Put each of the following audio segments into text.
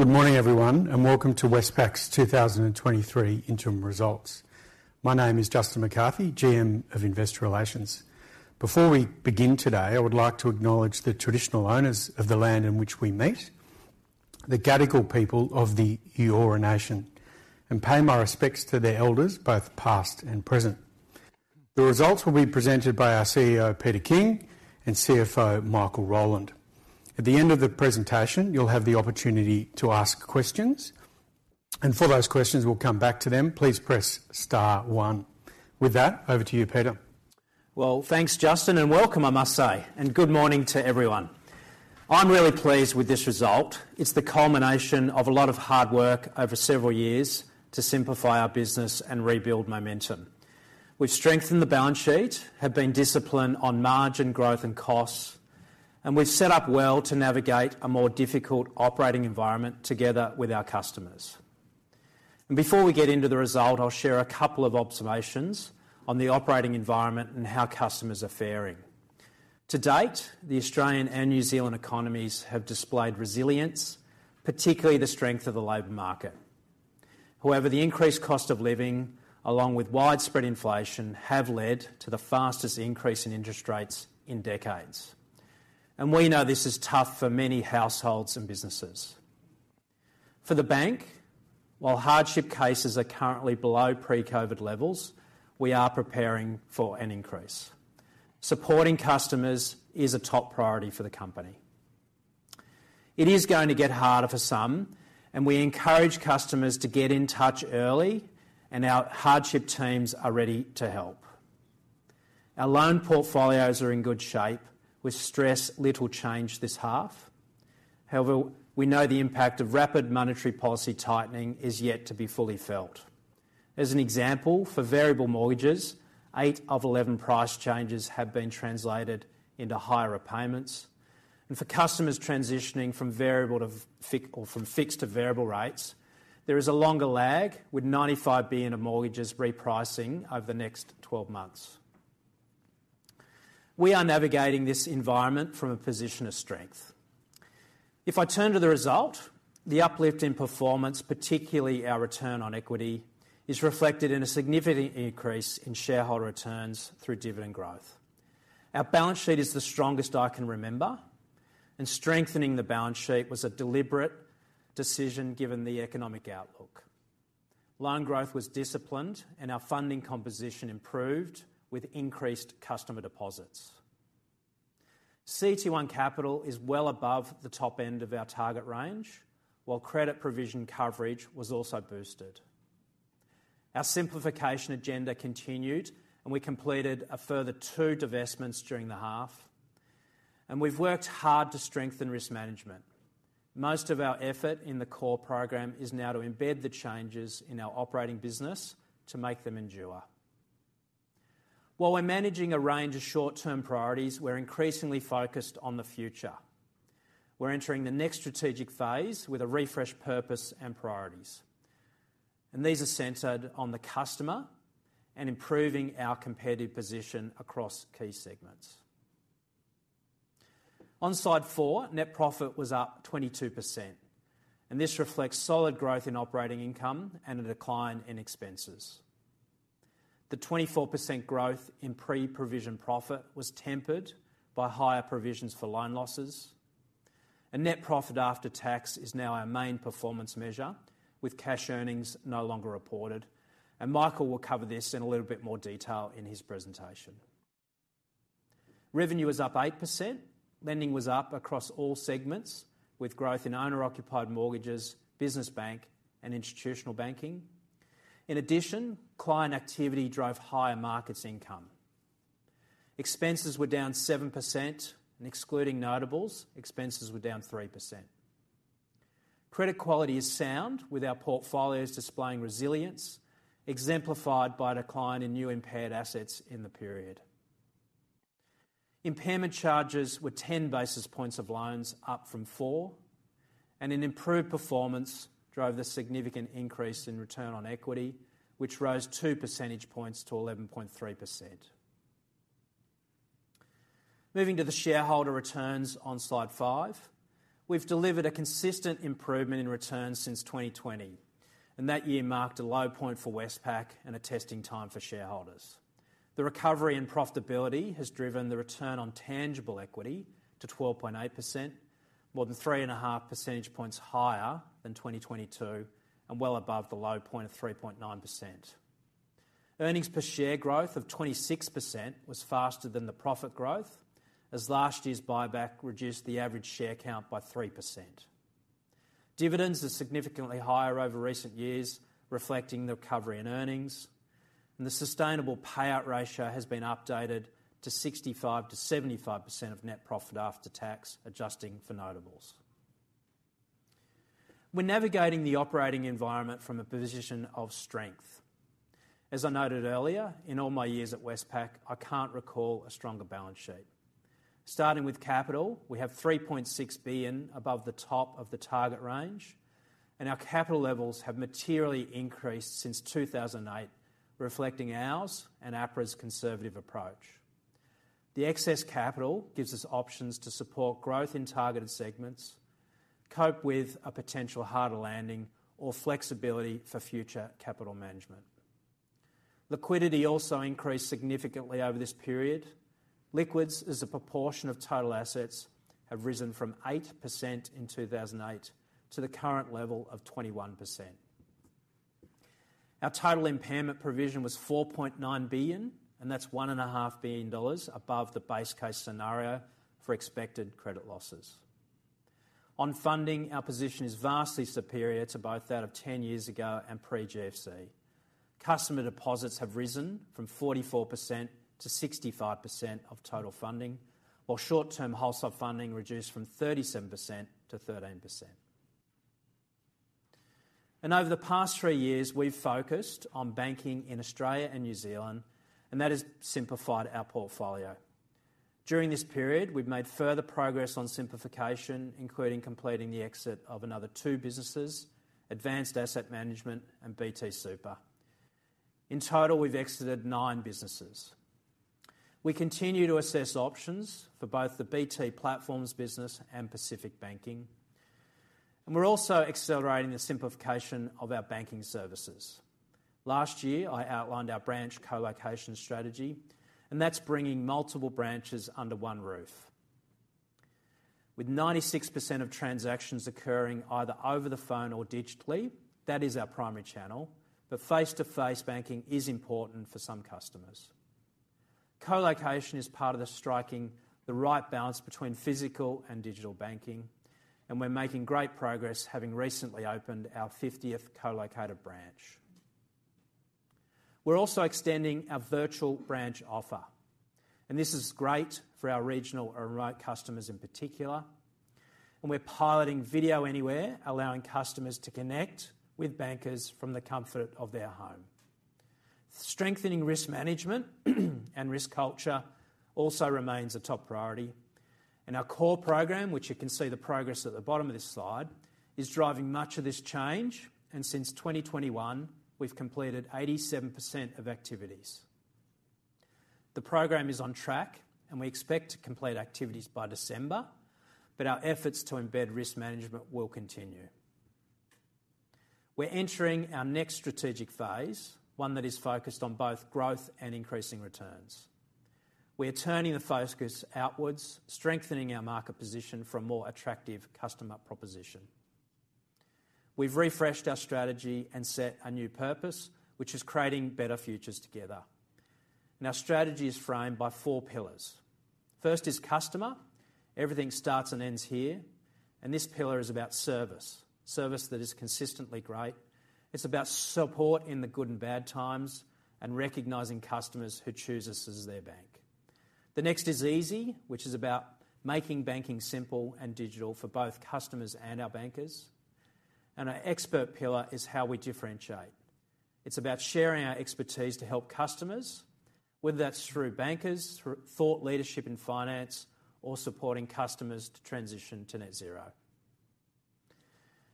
Good morning, everyone, and welcome to Westpac's 2023 Interim Results. My name is Justin McCarthy, GM of Investor Relations. Before we begin today, I would like to acknowledge the traditional owners of the land in which we meet, the Gadigal people of the Eora Nation, and pay my respects to their elders, both past and present. The results will be presented by our CEO, Peter King, and CFO, Michael Rowland. At the end of the presentation, you'll have the opportunity to ask questions. For those questions, we'll come back to them. Please press star one. With that, over to you, Peter. Well, thanks, Justin, and welcome, I must say, and good morning to everyone. I'm really pleased with this result. It's the culmination of a lot of hard work over several years to simplify our business and rebuild momentum. We've strengthened the balance sheet, have been disciplined on margin growth and costs, and we've set up well to navigate a more difficult operating environment together with our customers. Before we get into the result, I'll share a couple of observations on the operating environment and how customers are faring. To date, the Australian and New Zealand economies have displayed resilience, particularly the strength of the labor market. However, the increased cost of living, along with widespread inflation, have led to the fastest increase in interest rates in decades. We know this is tough for many households and businesses. For the bank, while hardship cases are currently below pre-COVID levels, we are preparing for an increase. Supporting customers is a top priority for the company. It is going to get harder for some, we encourage customers to get in touch early, our hardship teams are ready to help. Our loan portfolios are in good shape, with stress little changed this half. We know the impact of rapid monetary policy tightening is yet to be fully felt. As an example, for variable mortgages, eight of 11 price changes have been translated into higher repayments, for customers transitioning from fixed to variable rates, there is a longer lag, with 95 billion of mortgages repricing over the next 12 months. We are navigating this environment from a position of strength. If I turn to the result, the uplift in performance, particularly our return on equity, is reflected in a significant increase in shareholder returns through dividend growth. Our balance sheet is the strongest I can remember, and strengthening the balance sheet was a deliberate decision given the economic outlook. Loan growth was disciplined and our funding composition improved with increased customer deposits. CET1 capital is well above the top end of our target range, while credit provision coverage was also boosted. Our simplification agenda continued, and we completed a further two divestments during the half, and we've worked hard to strengthen risk management. Most of our effort in the CORE program is now to embed the changes in our operating business to make them endure. While we're managing a range of short-term priorities, we're increasingly focused on the future. We're entering the next strategic phase with a refreshed purpose and priorities. These are centered on the customer and improving our competitive position across key segments. On Slide 4, net profit was up 22%. This reflects solid growth in operating income and a decline in expenses. The 24% growth in pre-provision profit was tempered by higher provisions for loan losses. Net profit after tax is now our main performance measure, with cash earnings no longer reported. Michael will cover this in a little bit more detail in his presentation. Revenue is up 8%. Lending was up across all segments, with growth in owner-occupied mortgages, Business Bank and Institutional Banking. In addition, client activity drove higher markets income. Expenses were down 7% and excluding notables, expenses were down 3%. Credit quality is sound, with our portfolios displaying resilience exemplified by a decline in new impaired assets in the period. Impairment charges were 10 basis points of loans up from four, and an improved performance drove the significant increase in return on equity, which rose 2 percentage points to 11.3%. Moving to the shareholder returns on Slide 5. We've delivered a consistent improvement in returns since 2020, and that year marked a low point for Westpac and a testing time for shareholders. The recovery and profitability has driven the return on tangible equity to 12.8%, more than 3.5 percentage points higher than 2022, and well above the low point of 3.9%. Earnings per share growth of 26% was faster than the profit growth, as last year's buyback reduced the average share count by 3%. Dividends are significantly higher over recent years, reflecting the recovery in earnings, and the sustainable payout ratio has been updated to 65%-75% of net profit after tax, adjusting for notables. We're navigating the operating environment from a position of strength. As I noted earlier, in all my years at Westpac, I can't recall a stronger balance sheet. Starting with capital, we have 3.6 billion above the top of the target range, and our capital levels have materially increased since 2008, reflecting ours and APRA's conservative approach. The excess capital gives us options to support growth in targeted segments, cope with a potential harder landing or flexibility for future capital management. Liquidity also increased significantly over this period. Liquids as a proportion of total assets have risen from 8% in 2008 to the current level of 21%. Our total impairment provision was 4.9 billion, and that's 1.5 billion dollars above the base case scenario for expected credit losses. On funding, our position is vastly superior to both that of 10 years ago and pre-GFC. Customer deposits have risen from 44% to 65% of total funding, while short-term wholesale funding reduced from 37% to 13%. Over the past three years, we've focused on banking in Australia and New Zealand, and that has simplified our portfolio. During this period, we've made further progress on simplification, including completing the exit of another two businesses, Advance Asset Management and BT Super. In total, we've exited nine businesses. We continue to assess options for both the BT Platforms business and Pacific Banking, and we're also accelerating the simplification of our banking services. Last year, I outlined our branch co-location strategy, that's bringing multiple branches under one roof. With 96% of transactions occurring either over the phone or digitally, that is our primary channel, but face-to-face banking is important for some customers. Co-location is part of the striking the right balance between physical and digital banking, we're making great progress, having recently opened our 50th co-located branch. We're also extending our virtual branch offer, this is great for our regional and remote customers in particular. We're piloting Video Anywhere, allowing customers to connect with bankers from the comfort of their home. Strengthening risk management and risk culture also remains a top priority. Our CORE program, which you can see the progress at the bottom of this slide, is driving much of this change. Since 2021, we've completed 87% of activities. The program is on track, and we expect to complete activities by December, but our efforts to embed risk management will continue. We're entering our next strategic phase, one that is focused on both growth and increasing returns. We are turning the focus outwards, strengthening our market position for a more attractive customer proposition. We've refreshed our strategy and set a new purpose, which is creating better futures together. Our strategy is framed by four pillars. First is customer. Everything starts and ends here, and this pillar is about service that is consistently great. It's about support in the good and bad times, and recognizing customers who choose us as their bank. The next is easy, which is about making banking simple and digital for both customers and our bankers. Our expert pillar is how we differentiate. It's about sharing our expertise to help customers, whether that's through bankers, through thought leadership in finance, or supporting customers to transition to net zero.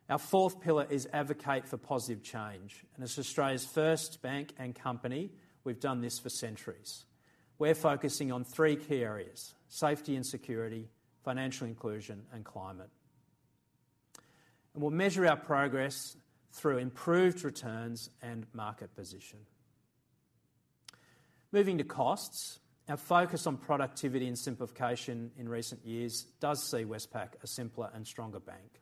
Our fourth pillar is advocate for positive change. As Australia's first bank and company, we've done this for centuries. We're focusing on three key areas: safety and security, financial inclusion, and climate. We'll measure our progress through improved returns and market position. Moving to costs. Our focus on productivity and simplification in recent years does see Westpac a simpler and stronger bank.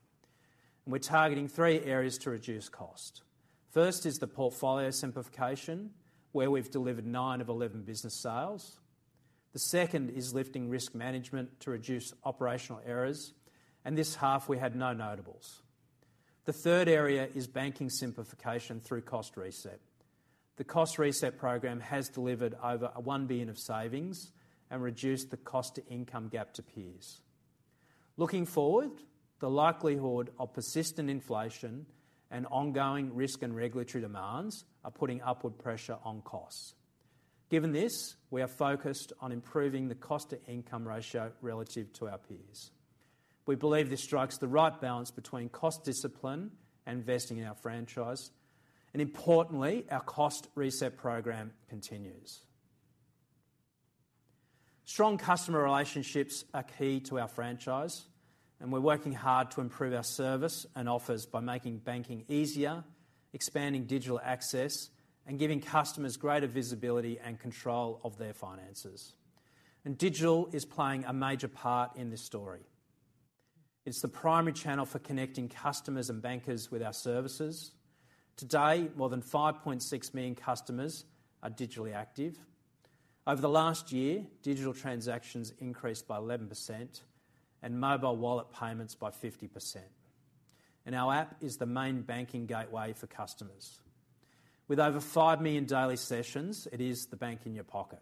We're targeting three areas to reduce cost. First is the portfolio simplification, where we've delivered 9 of 11 business sales. The second is lifting risk management to reduce operational errors, and this half we had no notables. The third area is banking simplification through cost reset. The cost reset program has delivered over 1 billion of savings and reduced the cost-to-income gap to peers. Looking forward, the likelihood of persistent inflation and ongoing risk and regulatory demands are putting upward pressure on costs. Given this, we are focused on improving the cost-to-income ratio relative to our peers. We believe this strikes the right balance between cost discipline and investing in our franchise. Importantly, our cost reset program continues. Strong customer relationships are key to our franchise. We're working hard to improve our service and offers by making banking easier, expanding digital access, and giving customers greater visibility and control of their finances. Digital is playing a major part in this story. It's the primary channel for connecting customers and bankers with our services. Today, more than 5.6 million customers are digitally active. Over the last year, digital transactions increased by 11% and mobile wallet payments by 50%. Our app is the main banking gateway for customers. With over 5 million daily sessions, it is the bank in your pocket.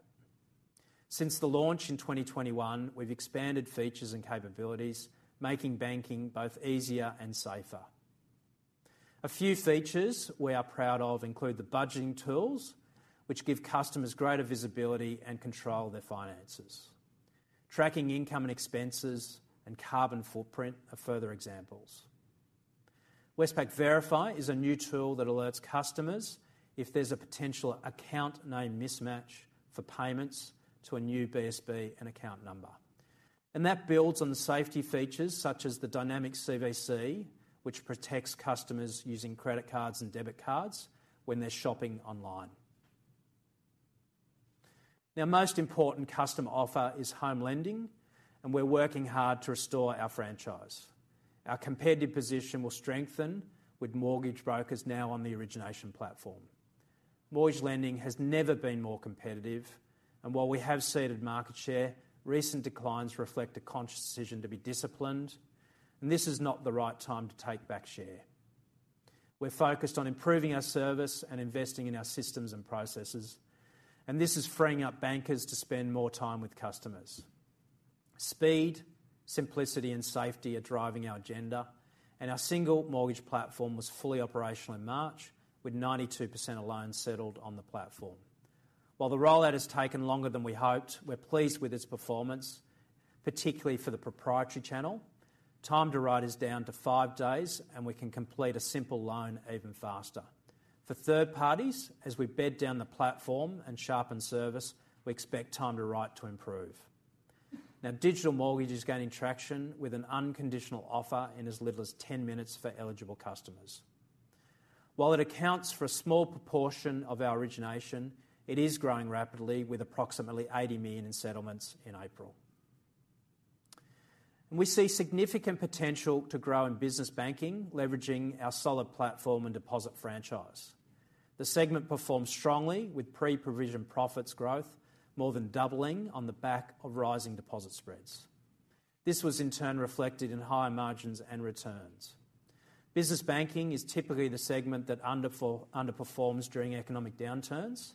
Since the launch in 2021, we've expanded features and capabilities, making banking both easier and safer. A few features we are proud of include the budgeting tools, which give customers greater visibility and control of their finances. Tracking income and expenses and carbon footprint are further examples. Westpac Verify is a new tool that alerts customers if there's a potential account name mismatch for payments to a new BSB and account number. That builds on the safety features such as the dynamic CVC, which protects customers using credit cards and debit cards when they're shopping online. Most important customer offer is home lending. We're working hard to restore our franchise. Our competitive position will strengthen with mortgage brokers now on the origination platform. Mortgage lending has never been more competitive. While we have ceded market share, recent declines reflect a conscious decision to be disciplined. This is not the right time to take back share. We're focused on improving our service and investing in our systems and processes. This is freeing up bankers to spend more time with customers. Speed, simplicity, and safety are driving our agenda. Our single mortgage platform was fully operational in March, with 92% of loans settled on the platform. While the rollout has taken longer than we hoped, we're pleased with its performance, particularly for the proprietary channel. Time to write is down to five days. We can complete a simple loan even faster. For third parties, as we bed down the platform and sharpen service, we expect time to write to improve. Now, digital mortgage is gaining traction with an unconditional offer in as little as 10 minutes for eligible customers. While it accounts for a small proportion of our origination, it is growing rapidly with approximately 80 million in settlements in April. We see significant potential to grow in business banking, leveraging our solid platform and deposit franchise. The segment performed strongly with pre-provision profits growth, more than doubling on the back of rising deposit spreads. This was in turn reflected in higher margins and returns. Business banking is typically the segment that underperforms during economic downturns.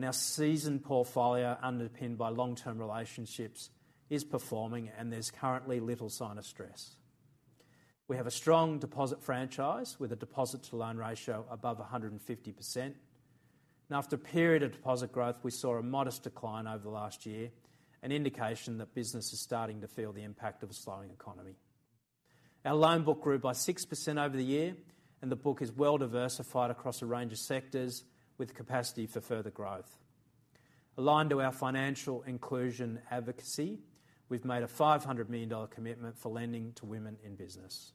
Our seasoned portfolio underpinned by long-term relationships is performing. There's currently little sign of stress. We have a strong deposit franchise with a deposit to loan ratio above 150%. After a period of deposit growth, we saw a modest decline over the last year, an indication that business is starting to feel the impact of a slowing economy. Our loan book grew by 6% over the year, and the book is well diversified across a range of sectors with capacity for further growth. Aligned to our financial inclusion advocacy, we've made a 500 million dollar commitment for lending to women in business.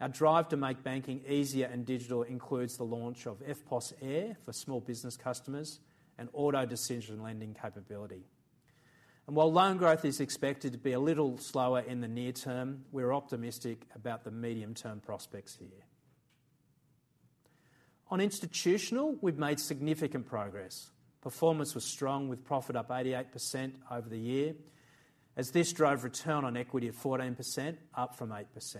Our drive to make banking easier and digital includes the launch of EFTPOS Air for small business customers and auto decision lending capability. While loan growth is expected to be a little slower in the near term, we're optimistic about the medium-term prospects here. On institutional, we've made significant progress. Performance was strong with profit up 88% over the year as this drove return on equity of 14%, up from 8%.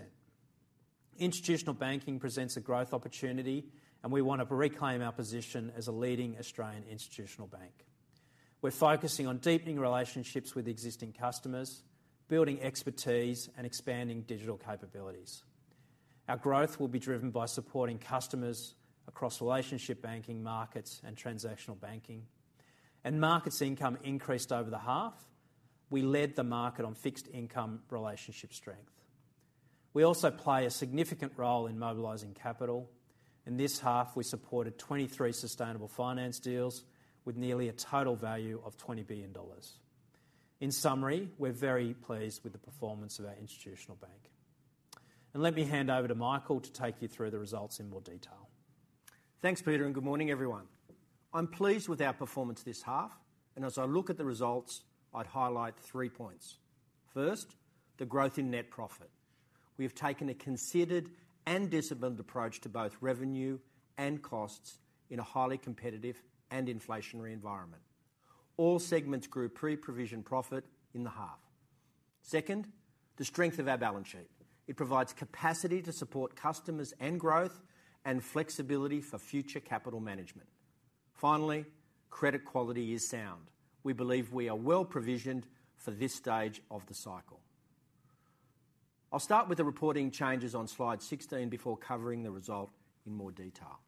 Institutional Banking presents a growth opportunity, and we want to reclaim our position as a leading Australian Institutional Bank. We're focusing on deepening relationships with existing customers, building expertise, and expanding digital capabilities. Our growth will be driven by supporting customers across relationship banking markets and transactional banking. Markets income increased over the half. We led the market on fixed income relationship strength. We also play a significant role in mobilizing capital. In this half, we supported 23 sustainable finance deals with nearly a total value of 20 billion dollars. In summary, we're very pleased with the performance of our Institutional Bank. Let me hand over to Michael to take you through the results in more detail. Thanks, Peter. Good morning, everyone. I'm pleased with our performance this half. As I look at the results, I'd highlight three points. First, the growth in net profit. We have taken a considered and disciplined approach to both revenue and costs in a highly competitive and inflationary environment. All segments grew pre-provision profit in the half. Second, the strength of our balance sheet. It provides capacity to support customers and growth and flexibility for future capital management. Finally, credit quality is sound. We believe we are well provisioned for this stage of the cycle. I'll start with the reporting changes on Slide 16 before covering the result in more detail.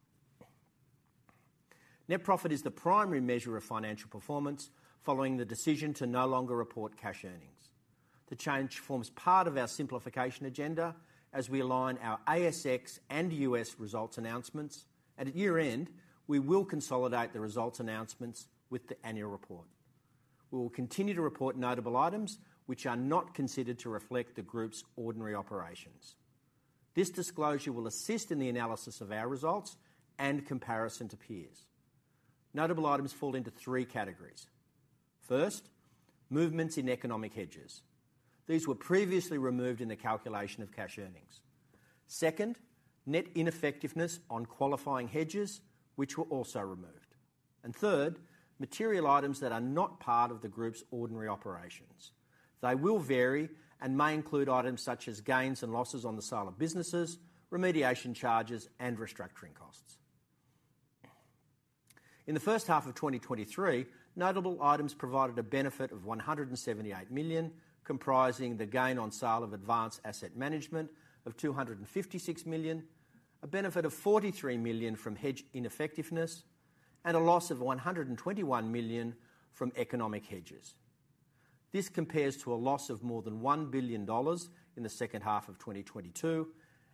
Net profit is the primary measure of financial performance following the decision to no longer report cash earnings. The change forms part of our simplification agenda as we align our ASX and U.S. results announcements. At year-end, we will consolidate the results announcements with the annual report. We will continue to report notable items which are not considered to reflect the group's ordinary operations. This disclosure will assist in the analysis of our results and comparison to peers. Notable items fall into three categories. First, movements in economic hedges. These were previously removed in the calculation of cash earnings. Second, net ineffectiveness on qualifying hedges, which were also removed. Third, material items that are not part of the group's ordinary operations. They will vary and may include items such as gains and losses on the sale of businesses, remediation charges, and restructuring costs. In the first half of 2023, notable items provided a benefit of 178 million, comprising the gain on sale of Advance Asset Management of 256 million, a benefit of 43 million from hedge ineffectiveness, and a loss of 121 million from economic hedges. This compares to a loss of more than 1 billion dollars in the second half of 2022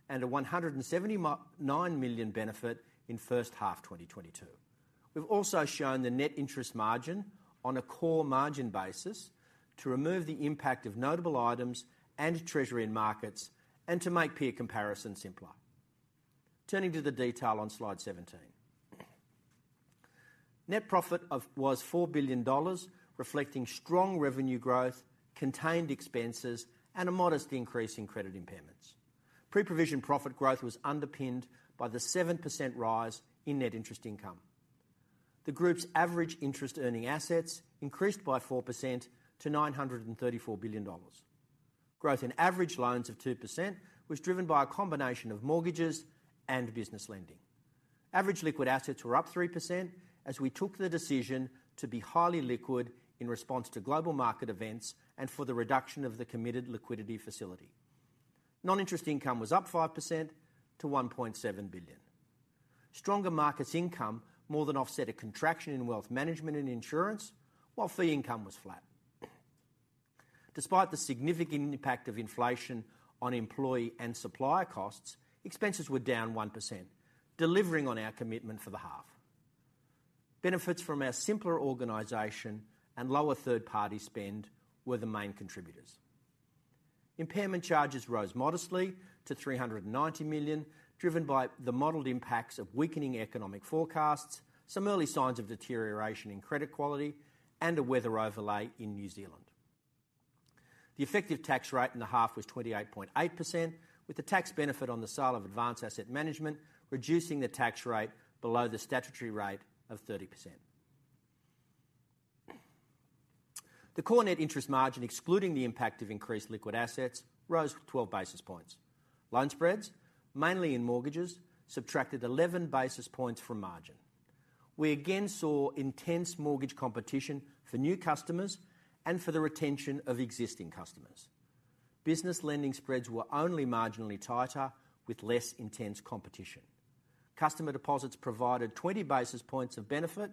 and an 179 million benefit in first half 2022. We've also shown the net interest margin on a core margin basis to remove the impact of notable items and treasury markets and to make peer comparison simpler. Turning to the detail on Slide 17. Net profit was 4 billion dollars, reflecting strong revenue growth, contained expenses, and a modest increase in credit impairments. Pre-provision profit growth was underpinned by the 7% rise in net interest income. The group's average interest earning assets increased by 4% to 934 billion dollars. Growth in average loans of 2% was driven by a combination of mortgages and business lending. Average liquid assets were up 3% as we took the decision to be highly liquid in response to global market events and for the reduction of the Committed Liquidity Facility. Non-interest income was up 5% to 1.7 billion. Stronger markets income more than offset a contraction in wealth management and insurance, while fee income was flat. Despite the significant impact of inflation on employee and supplier costs, expenses were down 1%, delivering on our commitment for the half. Benefits from our simpler organization and lower third-party spend were the main contributors. Impairment charges rose modestly to 390 million, driven by the modeled impacts of weakening economic forecasts, some early signs of deterioration in credit quality, and a weather overlay in New Zealand. The effective tax rate in the half was 28.8%, with the tax benefit on the sale of Advance Asset Management, reducing the tax rate below the statutory rate of 30%. The core net interest margin, excluding the impact of increased liquid assets, rose 12 basis points. Loan spreads, mainly in mortgages, subtracted 11 basis points from margin. We again saw intense mortgage competition for new customers and for the retention of existing customers. Business lending spreads were only marginally tighter with less intense competition. Customer deposits provided 20 basis points of benefit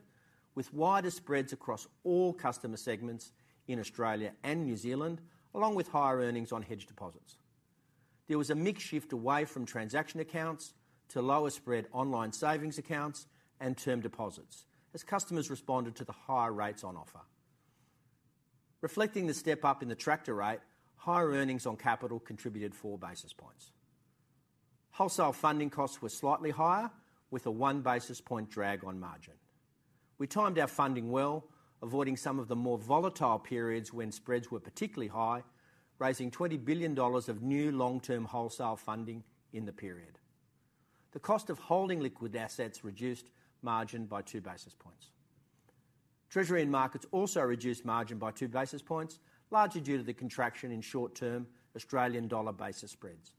with wider spreads across all customer segments in Australia and New Zealand, along with higher earnings on hedged deposits. There was a mixed shift away from transaction accounts to lower spread online savings accounts and term deposits as customers responded to the higher rates on offer. Reflecting the step up in the tracker rate, higher earnings on capital contributed 4 basis points. Wholesale funding costs were slightly higher, with a 1 basis point drag on margin. We timed our funding well, avoiding some of the more volatile periods when spreads were particularly high, raising 20 billion dollars of new long-term wholesale funding in the period. The cost of holding liquid assets reduced margin by 2 basis points. Treasury and markets also reduced margin by 2 basis points, largely due to the contraction in short-term Australian dollar basis spreads.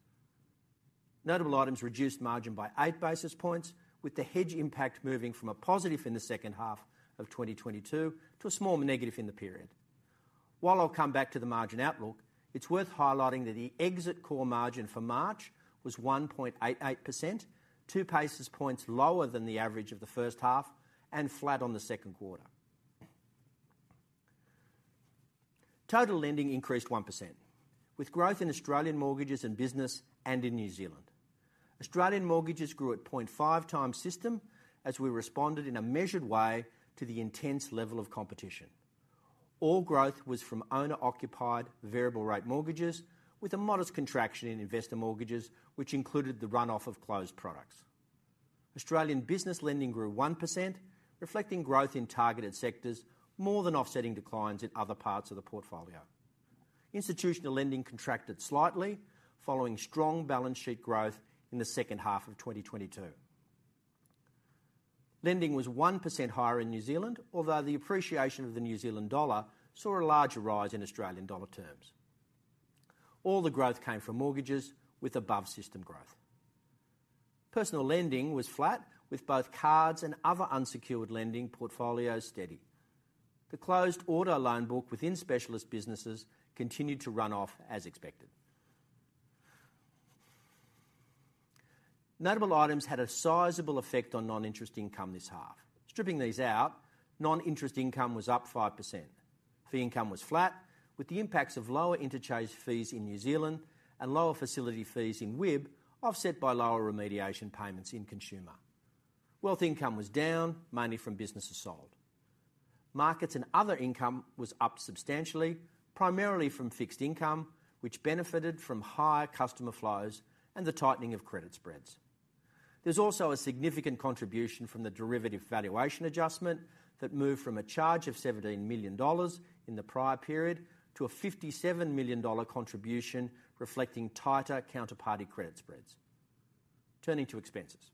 Notable items reduced margin by 8 basis points, with the hedge impact moving from a positive in the second half of 2022 to a small negative in the period. While I'll come back to the margin outlook, it's worth highlighting that the exit core margin for March was 1.88%, 2 basis points lower than the average of the first half and flat on the second quarter. Total lending increased 1%, with growth in Australian mortgages and business and in New Zealand. Australian mortgages grew at 0.5x system as we responded in a measured way to the intense level of competition. All growth was from owner-occupied variable rate mortgages with a modest contraction in investor mortgages, which included the runoff of closed products. Australian business lending grew 1%, reflecting growth in targeted sectors more than offsetting declines in other parts of the portfolio. Institutional lending contracted slightly following strong balance sheet growth in the second half of 2022. Lending was 1% higher in New Zealand, although the appreciation of the New Zealand dollar saw a larger rise in Australian dollar terms. All the growth came from mortgages with above-system growth. Personal lending was flat, with both cards and other unsecured lending portfolios steady. The closed auto loan book within specialist businesses continued to run off as expected. Notable items had a sizable effect on non-interest income this half. Stripping these out, non-interest income was up 5%. Fee income was flat, with the impacts of lower interchange fees in New Zealand and lower facility fees in WIB offset by lower remediation payments in consumer. Wealth income was down, mainly from businesses sold. Markets and other income was up substantially, primarily from fixed income, which benefited from higher customer flows and the tightening of credit spreads. There's also a significant contribution from the derivative valuation adjustment that moved from a charge of 17 million dollars in the prior period to a 57 million dollar contribution, reflecting tighter counterparty credit spreads. Turning to expenses.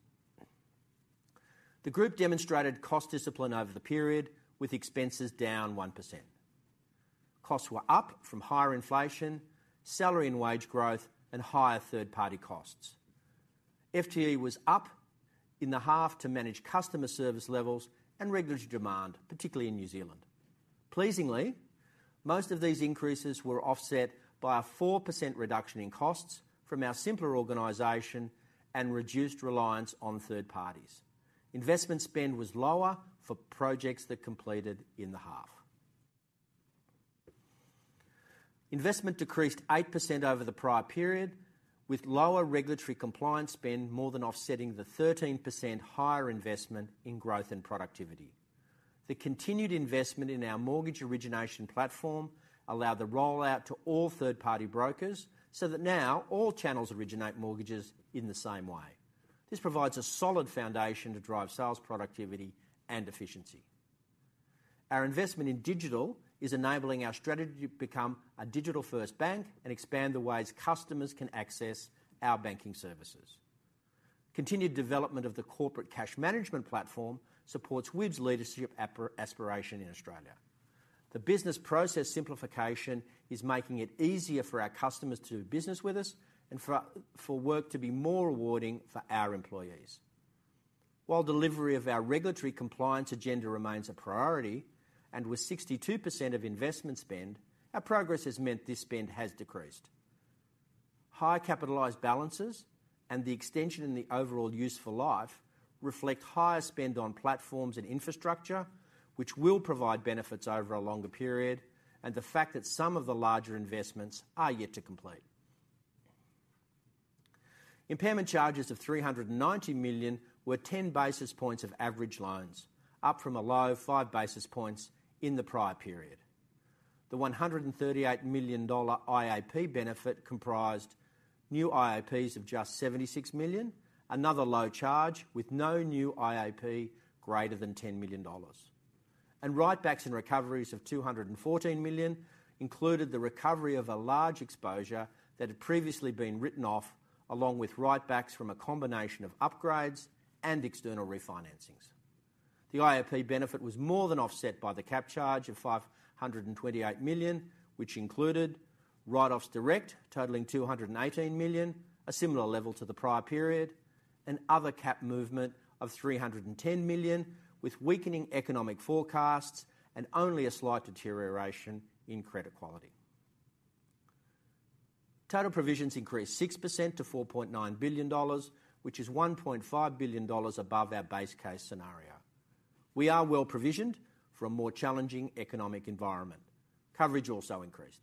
The group demonstrated cost discipline over the period, with expenses down 1%. Costs were up from higher inflation, salary and wage growth, and higher third-party costs. FTE was up in the half to manage customer service levels and regulatory demand, particularly in New Zealand. Pleasingly, most of these increases were offset by a 4% reduction in costs from our simpler organization and reduced reliance on third parties. Investment spend was lower for projects that completed in the half. Investment decreased 8% over the prior period, with lower regulatory compliance spend more than offsetting the 13% higher investment in growth and productivity. The continued investment in our mortgage origination platform allowed the rollout to all third-party brokers so that now all channels originate mortgages in the same way. This provides a solid foundation to drive sales, productivity, and efficiency. Our investment in digital is enabling our strategy to become a digital-first bank and expand the ways customers can access our banking services. Continued development of the corporate cash management platform supports WIB leadership aspiration in Australia. The business process simplification is making it easier for our customers to do business with us and for work to be more rewarding for our employees. While delivery of our regulatory compliance agenda remains a priority, and with 62% of investment spend, our progress has meant this spend has decreased. High capitalized balances and the extension in the overall useful life reflect higher spend on platforms and infrastructure, which will provide benefits over a longer period, and the fact that some of the larger investments are yet to complete. Impairment charges of 390 million were 10 basis points of average loans, up from a low of 5 basis points in the prior period. The 138 million dollar IAP benefit comprised new IAPs of just 76 million, another low charge with no new IAP greater than 10 million dollars. Write-backs and recoveries of 214 million included the recovery of a large exposure that had previously been written off, along with write-backs from a combination of upgrades and external refinancings. The IAP benefit was more than offset by the cap charge of 528 million, which included write-offs direct totaling 218 million, a similar level to the prior period, and other cap movement of 310 million, with weakening economic forecasts and only a slight deterioration in credit quality. Total provisions increased 6% to 4.9 billion dollars, which is 1.5 billion dollars above our base case scenario. We are well provisioned for a more challenging economic environment. Coverage also increased.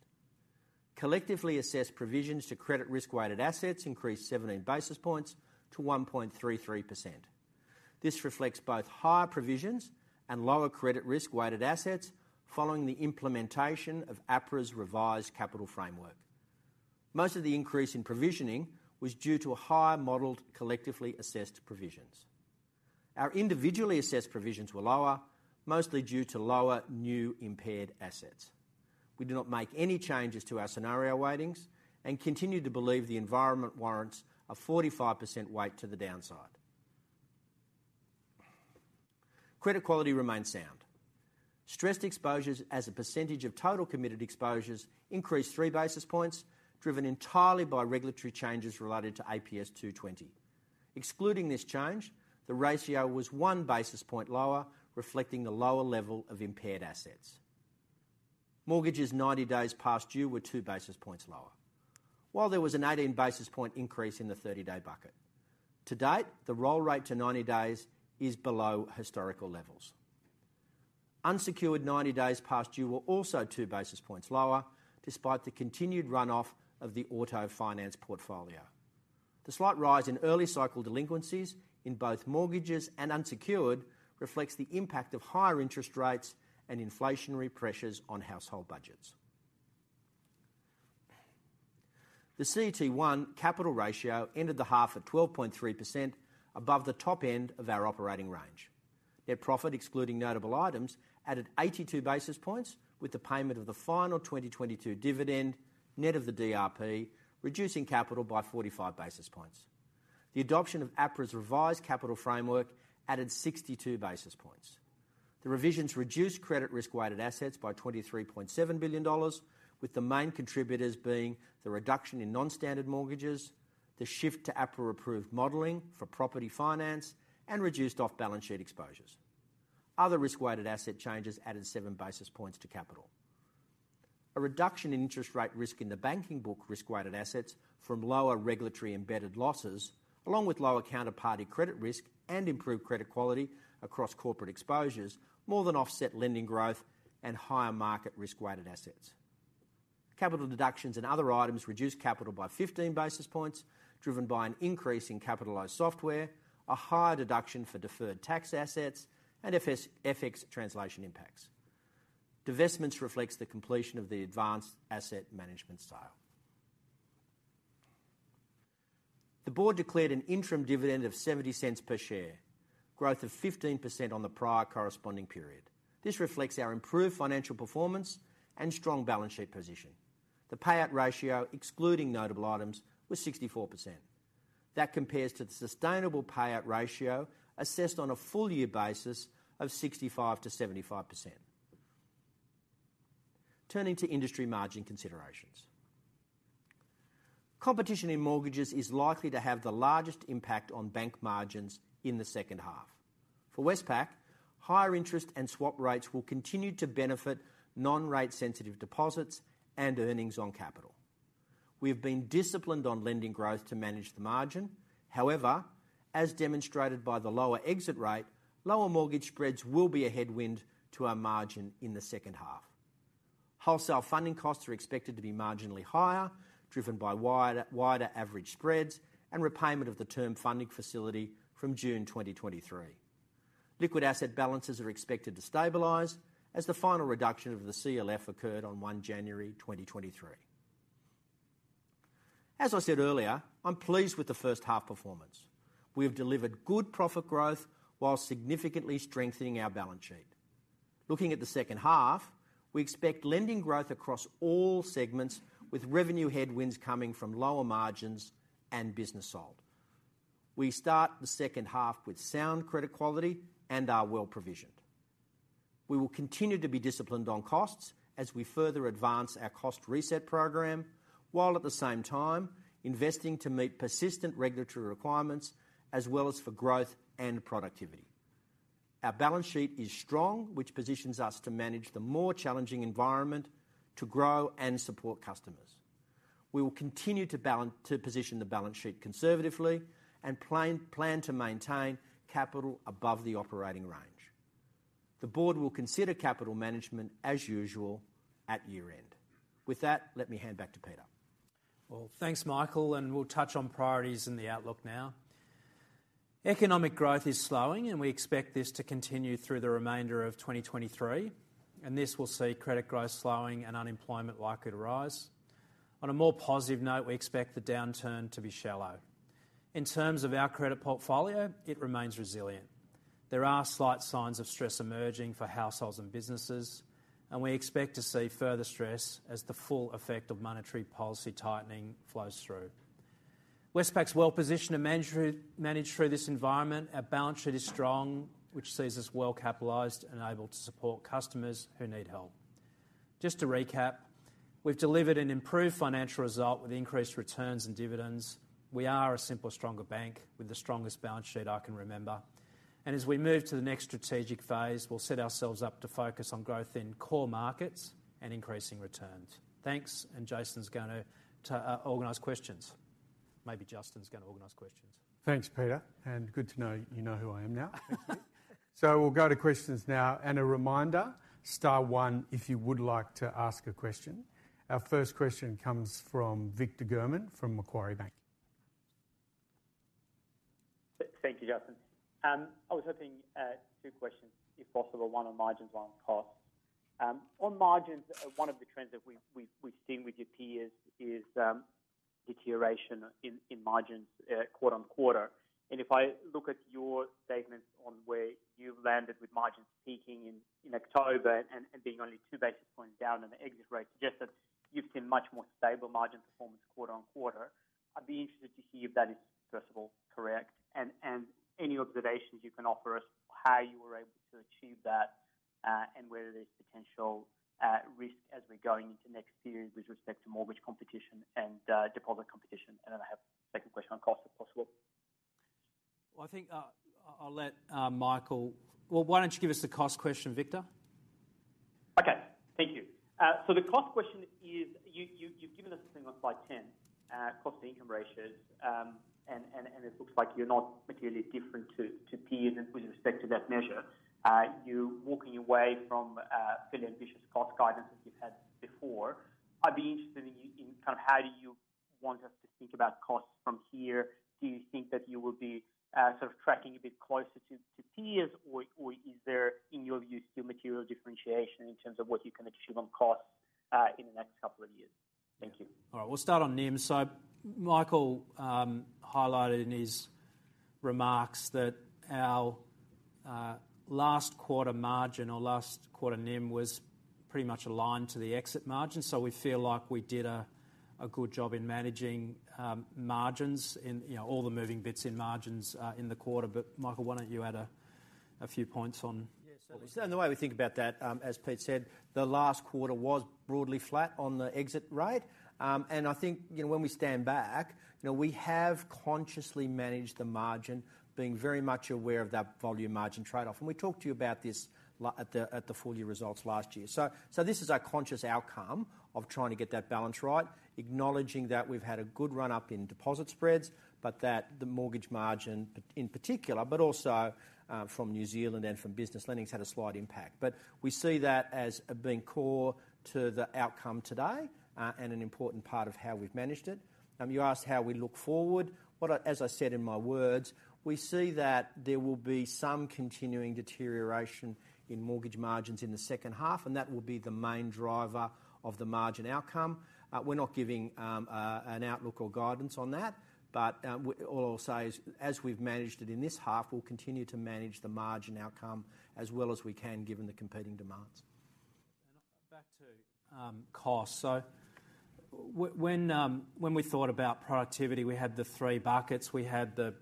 Collectively assessed provisions to credit risk-weighted assets increased 17 basis points to 1.33%. This reflects both higher provisions and lower credit risk-weighted assets following the implementation of APRA's revised capital framework. Most of the increase in provisioning was due to a higher modeled collectively assessed provisions. Our individually assessed provisions were lower, mostly due to lower new impaired assets. We do not make any changes to our scenario weightings and continue to believe the environment warrants a 45% weight to the downside. Credit quality remains sound. Stressed exposures as a percentage of total committed exposures increased 3 basis points, driven entirely by regulatory changes related to APS 220. Excluding this change, the ratio was 1 basis point lower, reflecting the lower level of impaired assets. Mortgages 90 days past due were 2 basis points lower. While there was an 18 basis point increase in the 30-day bucket, to date, the roll rate to 90 days is below historical levels. Unsecured 90 days past due were also 2 basis points lower, despite the continued runoff of the auto finance portfolio. The slight rise in early cycle delinquencies in both mortgages and unsecured reflects the impact of higher interest rates and inflationary pressures on household budgets. The CET1 capital ratio ended the half at 12.3% above the top end of our operating range. Net profit excluding notable items added 82 basis points with the payment of the final 2022 dividend net of the DRP, reducing capital by 45 basis points. The adoption of APRA's revised capital framework added 62 basis points. The revisions reduced credit risk-weighted assets by 23.7 billion dollars, with the main contributors being the reduction in non-standard mortgages, the shift to APRA-approved modeling for property finance, and reduced off-balance sheet exposures. Other risk-weighted asset changes added 7 basis points to capital. A reduction in interest rate risk in the banking book risk-weighted assets from lower regulatory-embedded losses, along with lower counterparty credit risk and improved credit quality across corporate exposures, more than offset lending growth and higher market risk-weighted assets. Capital deductions and other items reduced capital by 15 basis points, driven by an increase in capitalized software, a higher deduction for deferred tax assets, and FX translation impacts. Divestments reflects the completion of the Advance Asset Management sale. The board declared an interim dividend of 0.70 per share, growth of 15% on the prior corresponding period. This reflects our improved financial performance and strong balance sheet position. The payout ratio, excluding notable items, was 64%. That compares to the sustainable payout ratio assessed on a full year basis of 65%-75%. Turning to industry margin considerations. Competition in mortgages is likely to have the largest impact on bank margins in the second half. For Westpac, higher interest and swap rates will continue to benefit non-rate sensitive deposits and earnings on capital. We've been disciplined on lending growth to manage the margin. As demonstrated by the lower exit rate, lower mortgage spreads will be a headwind to our margin in the second half. Wholesale funding costs are expected to be marginally higher, driven by wider average spreads and repayment of the Term Funding Facility from June 2023. Liquid asset balances are expected to stabilize as the final reduction of the CLF occurred on 1 January 2023. As I said earlier, I'm pleased with the first half performance. We have delivered good profit growth while significantly strengthening our balance sheet. Looking at the second half, we expect lending growth across all segments with revenue headwinds coming from lower margins and business sold. We start the second half with sound credit quality and are well-provisioned. We will continue to be disciplined on costs as we further advance our cost reset program, while at the same time investing to meet persistent regulatory requirements as well as for growth and productivity. Our balance sheet is strong, which positions us to manage the more challenging environment to grow and support customers. We will continue to position the balance sheet conservatively and plan to maintain capital above the operating range. The board will consider capital management as usual at year-end. With that, let me hand back to Peter. Well, thanks, Michael. We'll touch on priorities in the outlook now. Economic growth is slowing, and we expect this to continue through the remainder of 2023, and this will see credit growth slowing and unemployment likely to rise. On a more positive note, we expect the downturn to be shallow. In terms of our credit portfolio, it remains resilient. There are slight signs of stress emerging for households and businesses, and we expect to see further stress as the full effect of monetary policy tightening flows through. Westpac is well-positioned and managed through this environment. Our balance sheet is strong, which sees us well-capitalized and able to support customers who need help. Just to recap, we've delivered an improved financial result with increased returns and dividends. We are a simpler, stronger bank with the strongest balance sheet I can remember. As we move to the next strategic phase, we'll set ourselves up to focus on growth in core markets and increasing returns. Thanks, Jason's going to organize questions. Maybe Justin is going to organize questions. Thanks, Peter, and good to know you know who I am now. We'll go to questions now. A reminder, star 1 if you would like to ask a question. Our first question comes from Victor German from Macquarie Bank. Thank you, Justin. I was hoping two questions, if possible, one on margins, one on costs. On margins, one of the trends that we've seen with your peers is deterioration in margins quarter-on-quarter. If I look at your statements on where you've landed with margins peaking in October and being only 2 basis points down and the exit rate suggests that you've seen much more stable margin performance quarter-on-quarter, I'd be interested to hear if that is, first of all, correct, and any observations you can offer us how you were able to achieve that, and whether there's potential risk as we're going into next year with respect to mortgage competition and deposit competition. Then I have a second question on costs, if possible. Well, I think, I'll let Michael... Well, why don't you give us the cost question, Victor? Okay. Thank you. The cost question is, you've given us a thing on slide 10, cost-to-income ratios, and it looks like you're not materially different to peers with respect to that measure. You're walking away from a fairly ambitious cost guidance as you've had before. I'd be interested in how do you want us to think about costs from here? Do you think that you will be, sort of tracking a bit closer to peers or is there, in your view, still material differentiation in terms of what you can achieve on costs, in the next couple of years? Thank you. All right. We'll start on NIM. Michael highlighted in his remarks that our last quarter margin or last quarter NIM was pretty much aligned to the exit margin. We feel like we did a good job in managing margins in, you know, all the moving bits in margins in the quarter. Michael, why don't you add a few points on? Yeah, certainly. The way we think about that, as Pete said, the last quarter was broadly flat on the exit rate. I think, you know, when we stand back, you know, we have consciously managed the margin, being very much aware of that volume margin trade-off. We talked to you about this at the full year results last year. This is a conscious outcome of trying to get that balance right, acknowledging that we've had a good run up in deposit spreads, but that the mortgage margin, in particular, but also from New Zealand and from business lending has had a slight impact. We see that as being core to the outcome today, and an important part of how we've managed it. You asked how we look forward. As I said in my words, we see that there will be some continuing deterioration in mortgage margins in the second half, and that will be the main driver of the margin outcome. We're not giving an outlook or guidance on that, but what I'll say is, as we've managed it in this half, we'll continue to manage the margin outcome as well as we can, given the competing demands. Back to costs. When we thought about productivity, we had the three buckets. We had the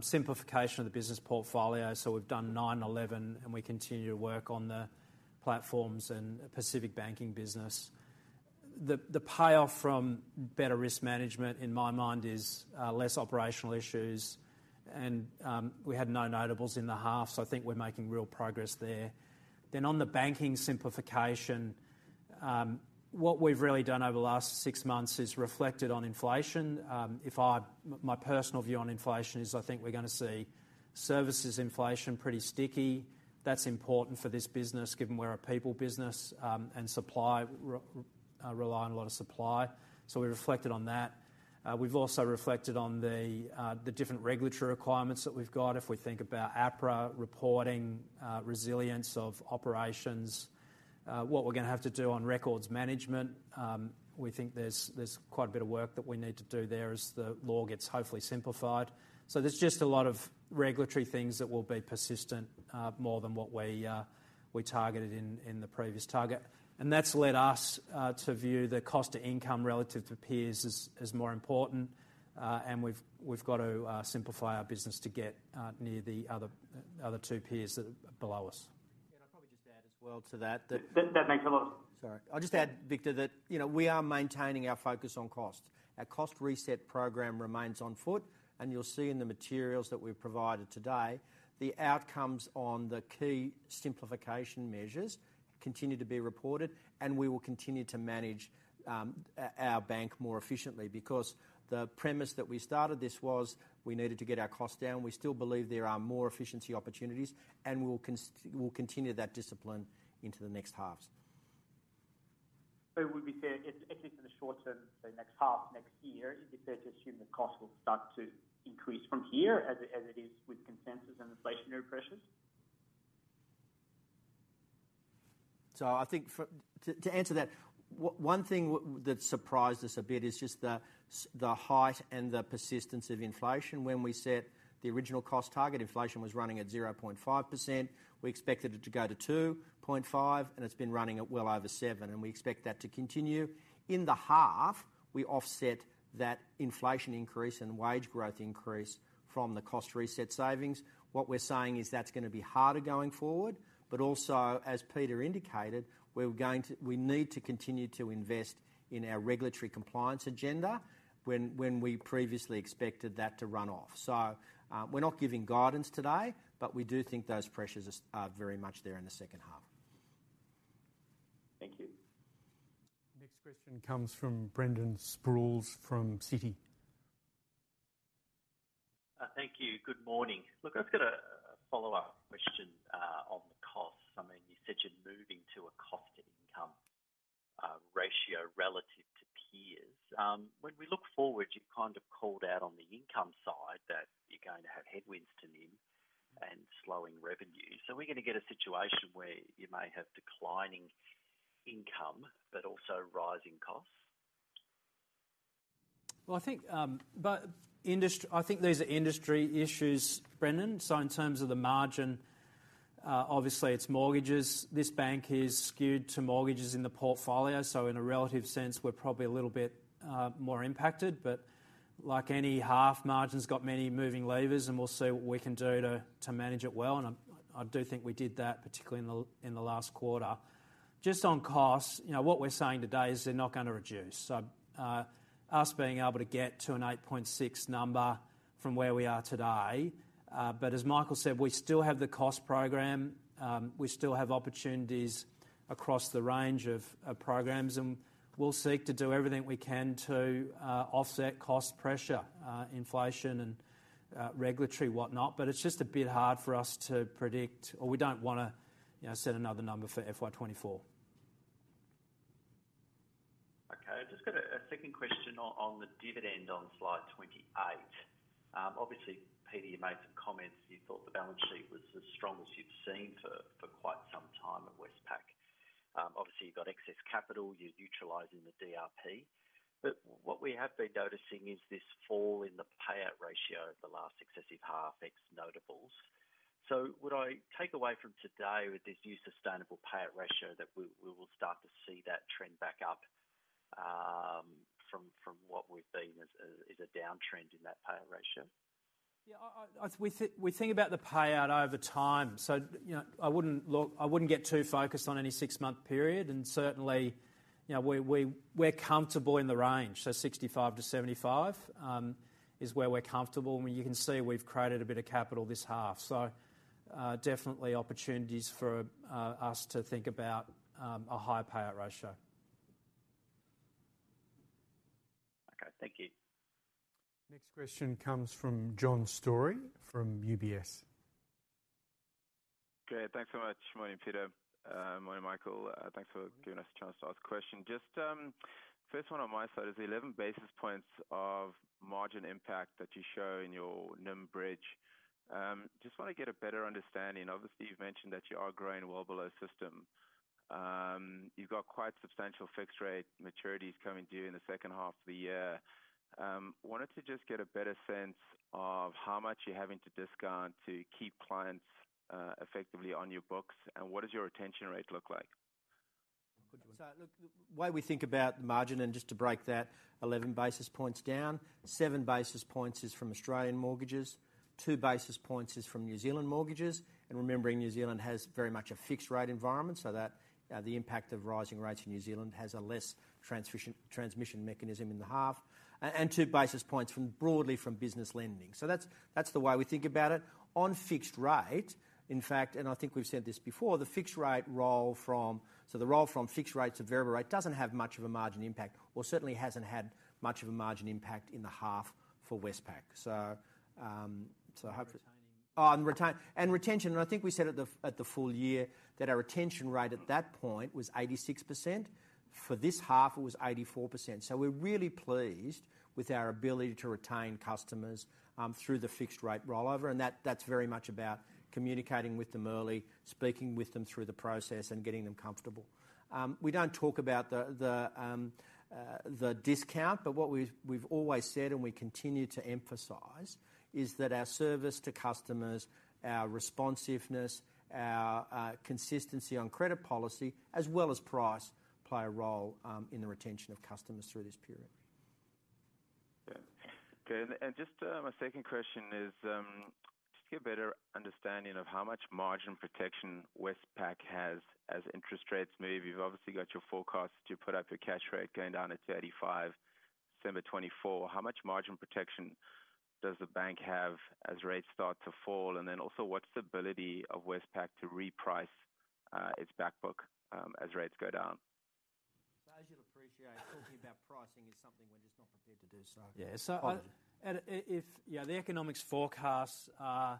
simplification of the business portfolio. We've done nine, 11, and we continue to work on the platforms and Pacific Banking business. The payoff from better risk management, in my mind, is less operational issues. And we had no notables in the half, I think we're making real progress there. On the banking simplification, what we've really done over the last six months is reflected on inflation. My personal view on inflation is I think we're gonna see services inflation pretty sticky. That's important for this business given we're a people business, and supply rely on a lot of supply. We reflected on that. We've also reflected on the different regulatory requirements that we've got. If we think about APRA reporting, resilience of operations, what we're gonna have to do on records management, we think there's quite a bit of work that we need to do there as the law gets hopefully simplified. There's just a lot of regulatory things that will be persistent, more than what we targeted in the previous target. That's led us to view the cost-to-income relative to peers as more important. We've got to simplify our business to get near the other two peers that are below us. Yeah, I'd probably just add as well to that. That makes a lot of... Sorry. I'll just add, Victor, that, you know, we are maintaining our focus on cost. Our cost reset program remains on foot, and you'll see in the materials that we've provided today, the outcomes on the key simplification measures continue to be reported, and we will continue to manage, our bank more efficiently. The premise that we started this was we needed to get our costs down. We still believe there are more efficiency opportunities, and we'll continue that discipline into the next halves. Would we say, at least in the short term, say next half, next year, is it fair to assume that costs will start to increase from here as it is with consensus and inflationary pressures? I think to answer that, one thing that surprised us a bit is just the height and the persistence of inflation. When we set the original cost target, inflation was running at 0.5%. We expected it to go to 2.5, and it's been running at well over seven, and we expect that to continue. In the half, we offset that inflation increase and wage growth increase from the cost reset savings. What we're saying is that's gonna be harder going forward, but also, as Peter indicated, we need to continue to invest in our regulatory compliance agenda when we previously expected that to run off. We're not giving guidance today, but we do think those pressures are very much there in the second half. Thank you. Next question comes from Brendan Sproules from Citi. Thank you. Good morning. Look, I've got a follow-up question on the costs. I mean, you said you're moving to a cost-to-income ratio relative to peers. When we look forward, you've kind of called out on the income side that you're going to have headwinds to NIM and slowing revenue. Are we gonna get a situation where you may have declining income but also rising costs? Well, I think these are industry issues, Brendan. In terms of the margin, obviously it's mortgages. This bank is skewed to mortgages in the portfolio, so in a relative sense, we're probably a little bit more impacted. But like any half, margin's got many moving levers, and we'll see what we can do to manage it well. And I do think we did that, particularly in the last quarter. Just on costs, you know, what we're saying today is they're not gonna reduce. Us being able to get to an 8.6 number from where we are today, but as Michael said, we still have the cost program. We still have opportunities across the range of programs. We'll seek to do everything we can to offset cost pressure, inflation and regulatory whatnot. It's just a bit hard for us to predict, or we don't wanna, you know, set another number for FY 2024. Okay. I've just got a second question on the dividend on Slide 28. obviously, Peter, you made some comments, you thought the balance sheet was as strong as you've seen for quite some time at Westpac. obviously, you've got excess capital. You're utilizing the DRP. What we have been noticing is this fall in the payout ratio over the last excessive half, ex notables. Would I take away from today with this new sustainable payout ratio that we will start to see that trend back up, from what we've seen as a downtrend in that payout ratio? Yeah, we think about the payout over time, so, you know, I wouldn't get too focused on any six-month period. Certainly, you know, we're comfortable in the range. 65%-75% is where we're comfortable. I mean, you can see we've created a bit of capital this half. Definitely opportunities for us to think about a higher payout ratio. Okay. Thank you. Next question comes from John Storey from UBS. Okay. Thanks so much. Morning, Peter. Morning, Michael. Thanks for giving us a chance to ask a question. Just, first one on my side is the 11 basis points of margin impact that you show in your NIM bridge. Just wanna get a better understanding. Obviously, you've mentioned that you are growing well below system. You've got quite substantial fixed rate maturities coming due in the second half of the year. Wanted to just get a better sense of how much you're having to discount to keep clients effectively on your books, and what does your retention rate look like? Look, the way we think about margin and just to break that 11 basis points down, 7 basis points is from Australian mortgages, 2 basis points is from New Zealand mortgages. Remembering New Zealand has very much a fixed rate environment, so that the impact of rising rates in New Zealand has a less transmission mechanism and 2 basis points from broadly from business lending. That's the way we think about it. On fixed rate, in fact, and I think we've said this before, the roll from fixed rate to variable rate doesn't have much of a margin impact or certainly hasn't had much of a margin impact in the half for Westpac. I hope- Retaining. Retain. Retention, I think we said at the full year that our retention rate at that point was 86%. For this half, it was 84%. We're really pleased with our ability to retain customers through the fixed rate rollover, and that's very much about communicating with them early, speaking with them through the process and getting them comfortable. We don't talk about the discount, but what we've always said and we continue to emphasize is that our service to customers, our responsiveness, our consistency on credit policy as well as price play a role in the retention of customers through this period. Yeah. Okay. Just, my second question is, just to get a better understanding of how much margin protection Westpac has as interest rates move. You've obviously got your forecast to put up your cash rate going down to 35 December 2024. How much margin protection does the bank have as rates start to fall? Also, what's the ability of Westpac to reprice its back book as rates go down? As you'd appreciate, talking about pricing is something we're just not prepared to do. Yeah. Apologies. If, you know, the economics forecasts are,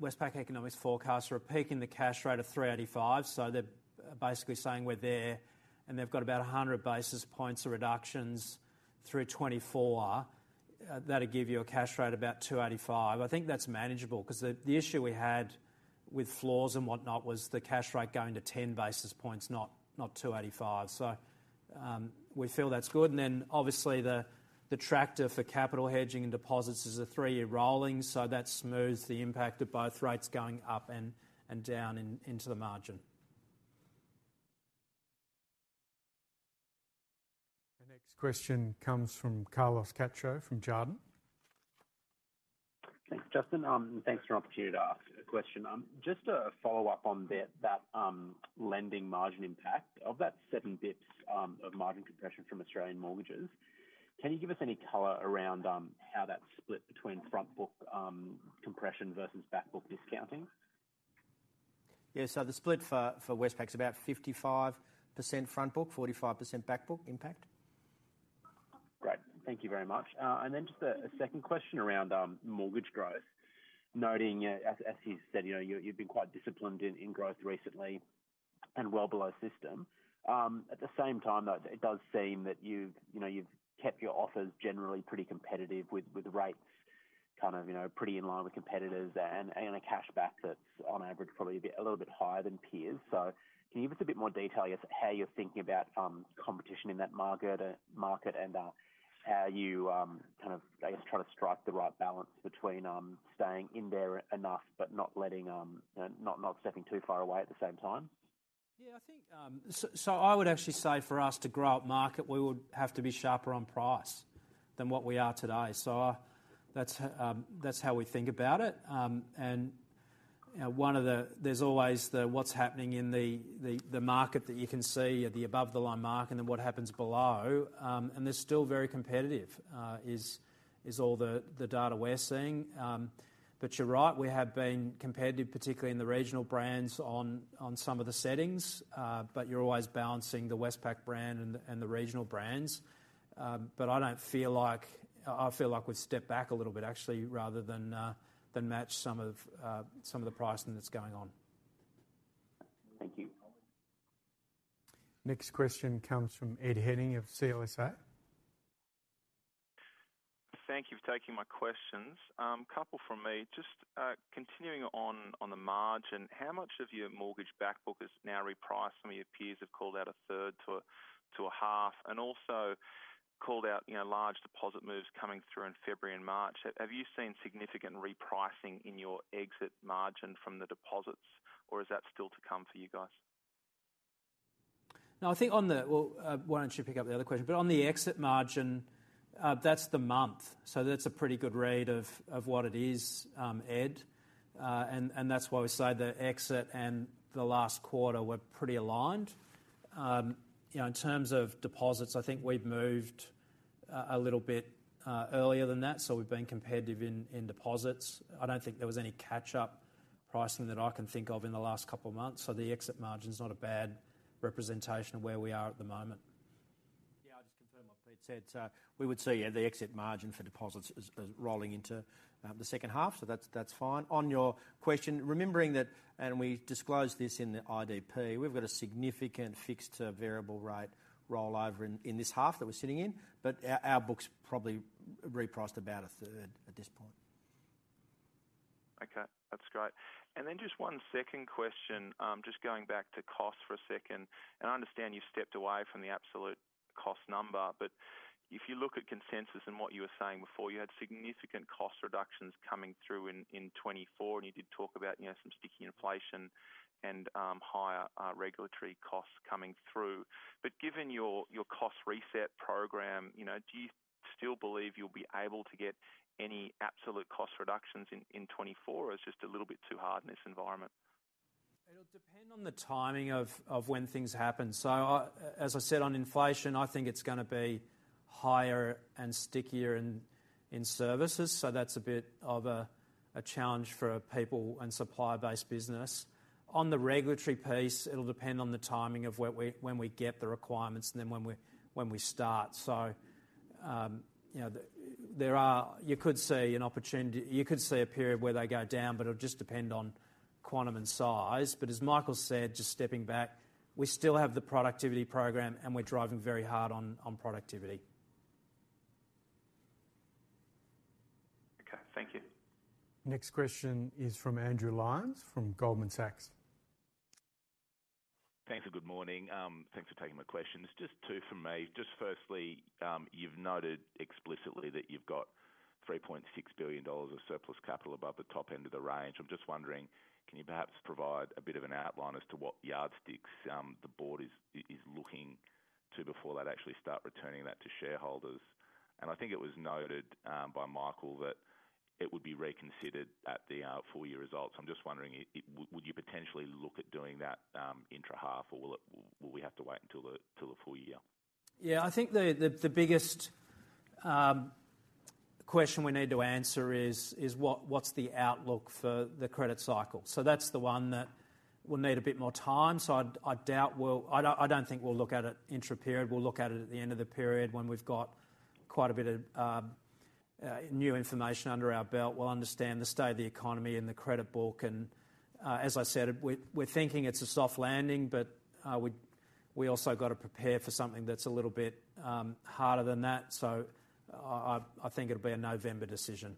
Westpac Economics forecasts are peaking the cash rate of 385. They're basically saying we're there, and they've got about 100 basis points of reductions through 2024. That'll give you a cash rate about 285. I think that's manageable because the issue we had with floors and whatnot was the cash rate going to 10 basis points, not 285. We feel that's good. Obviously the tenor for capital hedging and deposits is a three-year rolling, so that smooths the impact of both rates going up and down into the margin. The next question comes from Carlos Cacho from Jarden. Thanks, Justin. Thanks for the opportunity to ask a question. Just a follow-up on the, that, lending margin impact. Of that 7 basis points, of margin compression from Australian mortgages, can you give us any color around, how that's split between front book, compression versus back book discounting? Yeah. The split for Westpac's about 55% front book, 45% back book impact. Great. Thank you very much. Just a second question around mortgage growth. Noting, as you said, you know, you've been quite disciplined in growth recently and well below system. At the same time, though, it does seem that you've, you know, you've kept your offers generally pretty competitive with rates kind of, you know, pretty in line with competitors and a cashback that's on average probably a bit, a little bit higher than peers. Can you give us a bit more detail as to how you're thinking about competition in that market and how you, kind of, I guess, try to strike the right balance between staying in there enough but not letting not stepping too far away at the same time? Yeah, I think, I would actually say for us to grow up market, we would have to be sharper on price than what we are today. That's, that's how we think about it. You know, there's always the what's happening in the market that you can see at the above the line mark and then what happens below, and they're still very competitive, all the data we're seeing. You're right, we have been competitive, particularly in the regional brands on some of the settings, but you're always balancing the Westpac brand and the regional brands. I don't feel like we've stepped back a little bit actually, rather than match some of the pricing that's going on. Thank you. Next question comes from Ed Henning of CLSA. Thank you for taking my questions. couple from me. Just continuing on the margin, how much of your mortgage back book is now repriced? Some of your peers have called out a third to a half and also called out, you know, large deposit moves coming through in February and March. Have you seen significant repricing in your exit margin from the deposits? Or is that still to come for you guys? I think Well, why don't you pick up the other question? On the exit margin, that's the month. That's a pretty good read of what it is, Ed. That's why we say the exit and the last quarter were pretty aligned. You know, in terms of deposits, I think we've moved a little bit earlier than that. We've been competitive in deposits. I don't think there was any catch-up pricing that I can think of in the last couple of months. The exit margin's not a bad representation of where we are at the moment. Yeah, I'll just confirm what Pete said. We would see, yeah, the exit margin for deposits is rolling into the second half. That's fine. On your question, remembering that, and we disclosed this in the IDP, we've got a significant fixed to variable rate rollover in this half that we're sitting in. Our book's probably repriced about a third at this point. Okay, that's great. Just one second question, just going back to cost for a second. I understand you stepped away from the absolute Cost number. If you look at consensus and what you were saying before, you had significant cost reductions coming through in 2024, and you did talk about, you know, some sticky inflation and higher regulatory costs coming through. Given your cost reset program, you know, do you still believe you'll be able to get any absolute cost reductions in 2024, or it's just a little bit too hard in this environment? It'll depend on the timing of when things happen. As I said, on inflation, I think it's gonna be higher and stickier in services, so that's a bit of a challenge for a people and supplier-based business. On the regulatory piece, it'll depend on the timing of when we get the requirements and then when we start. You know, there are. You could see an opportunity. You could see a period where they go down, but it'll just depend on quantum and size. As Michael said, just stepping back, we still have the productivity program, and we're driving very hard on productivity. Okay. Thank you. Next question is from Andrew Lyons from Goldman Sachs. Thanks good morning. Thanks for taking my questions. Just two from me. Just firstly, you've noted explicitly that you've got 3.6 billion dollars of surplus capital above the top end of the range. I'm just wondering, can you perhaps provide a bit of an outline as to what yardsticks the board is looking to before they'd actually start returning that to shareholders? I think it was noted by Michael that it would be reconsidered at the full year results. I'm just wondering, would you potentially look at doing that intra-half, or will we have to wait till the full year? Yeah. I think the biggest question we need to answer is what's the outlook for the credit cycle? That's the one that will need a bit more time. I doubt we'll, I don't think we'll look at it intra-period. We'll look at it at the end of the period when we've got quite a bit of new information under our belt. We'll understand the state of the economy and the credit book and, as I said, we're thinking it's a soft landing, but we also got to prepare for something that's a little bit harder than that. I think it'll be a November decision.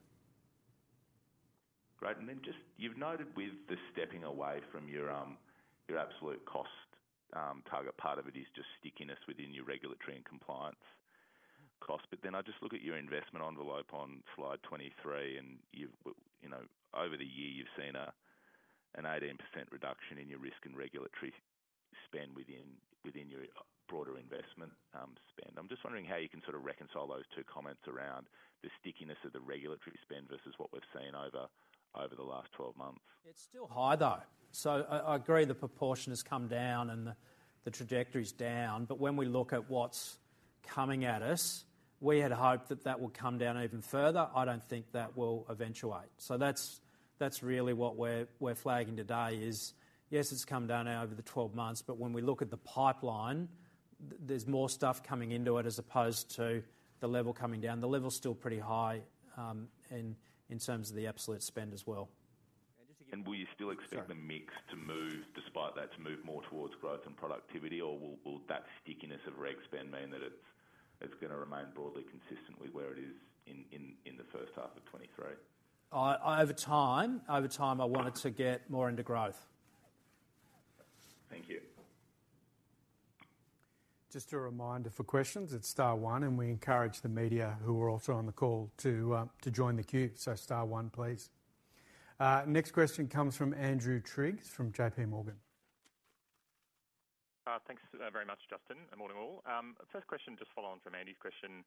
Great. Just you've noted with the stepping away from your absolute cost, target, part of it is just stickiness within your regulatory and compliance cost. But then I just look at your investment envelope on Slide 23, and you've, you know, over the year, you've seen a, an 18% reduction in your risk and regulatory spend within your broader investment, spend. I'm just wondering how you can sort of reconcile those two comments around the stickiness of the regulatory spend versus what we've seen over the last 12 months. It's still high, though. I agree the proportion has come down and the trajectory's down. When we look at what's coming at us, we had hoped that that would come down even further. I don't think that will eventuate. That's really what we're flagging today is, yes, it's come down over the 12 months, but when we look at the pipeline, there's more stuff coming into it as opposed to the level coming down. The level's still pretty high, in terms of the absolute spend as well. Will you still expect- Sorry. the mix to move despite that, to move more towards growth and productivity? Will that stickiness of reg spend mean that it's gonna remain broadly consistently where it is in the first half of 2023? Over time, I want it to get more into growth. Thank you. Just a reminder for questions, it's star one. We encourage the media who are also on the call to to join the queue. Star one, please. Next question comes from Andrew Triggs from JPMorgan. Thanks very much, Justin, and morning all. First question, just following on from Andy's question,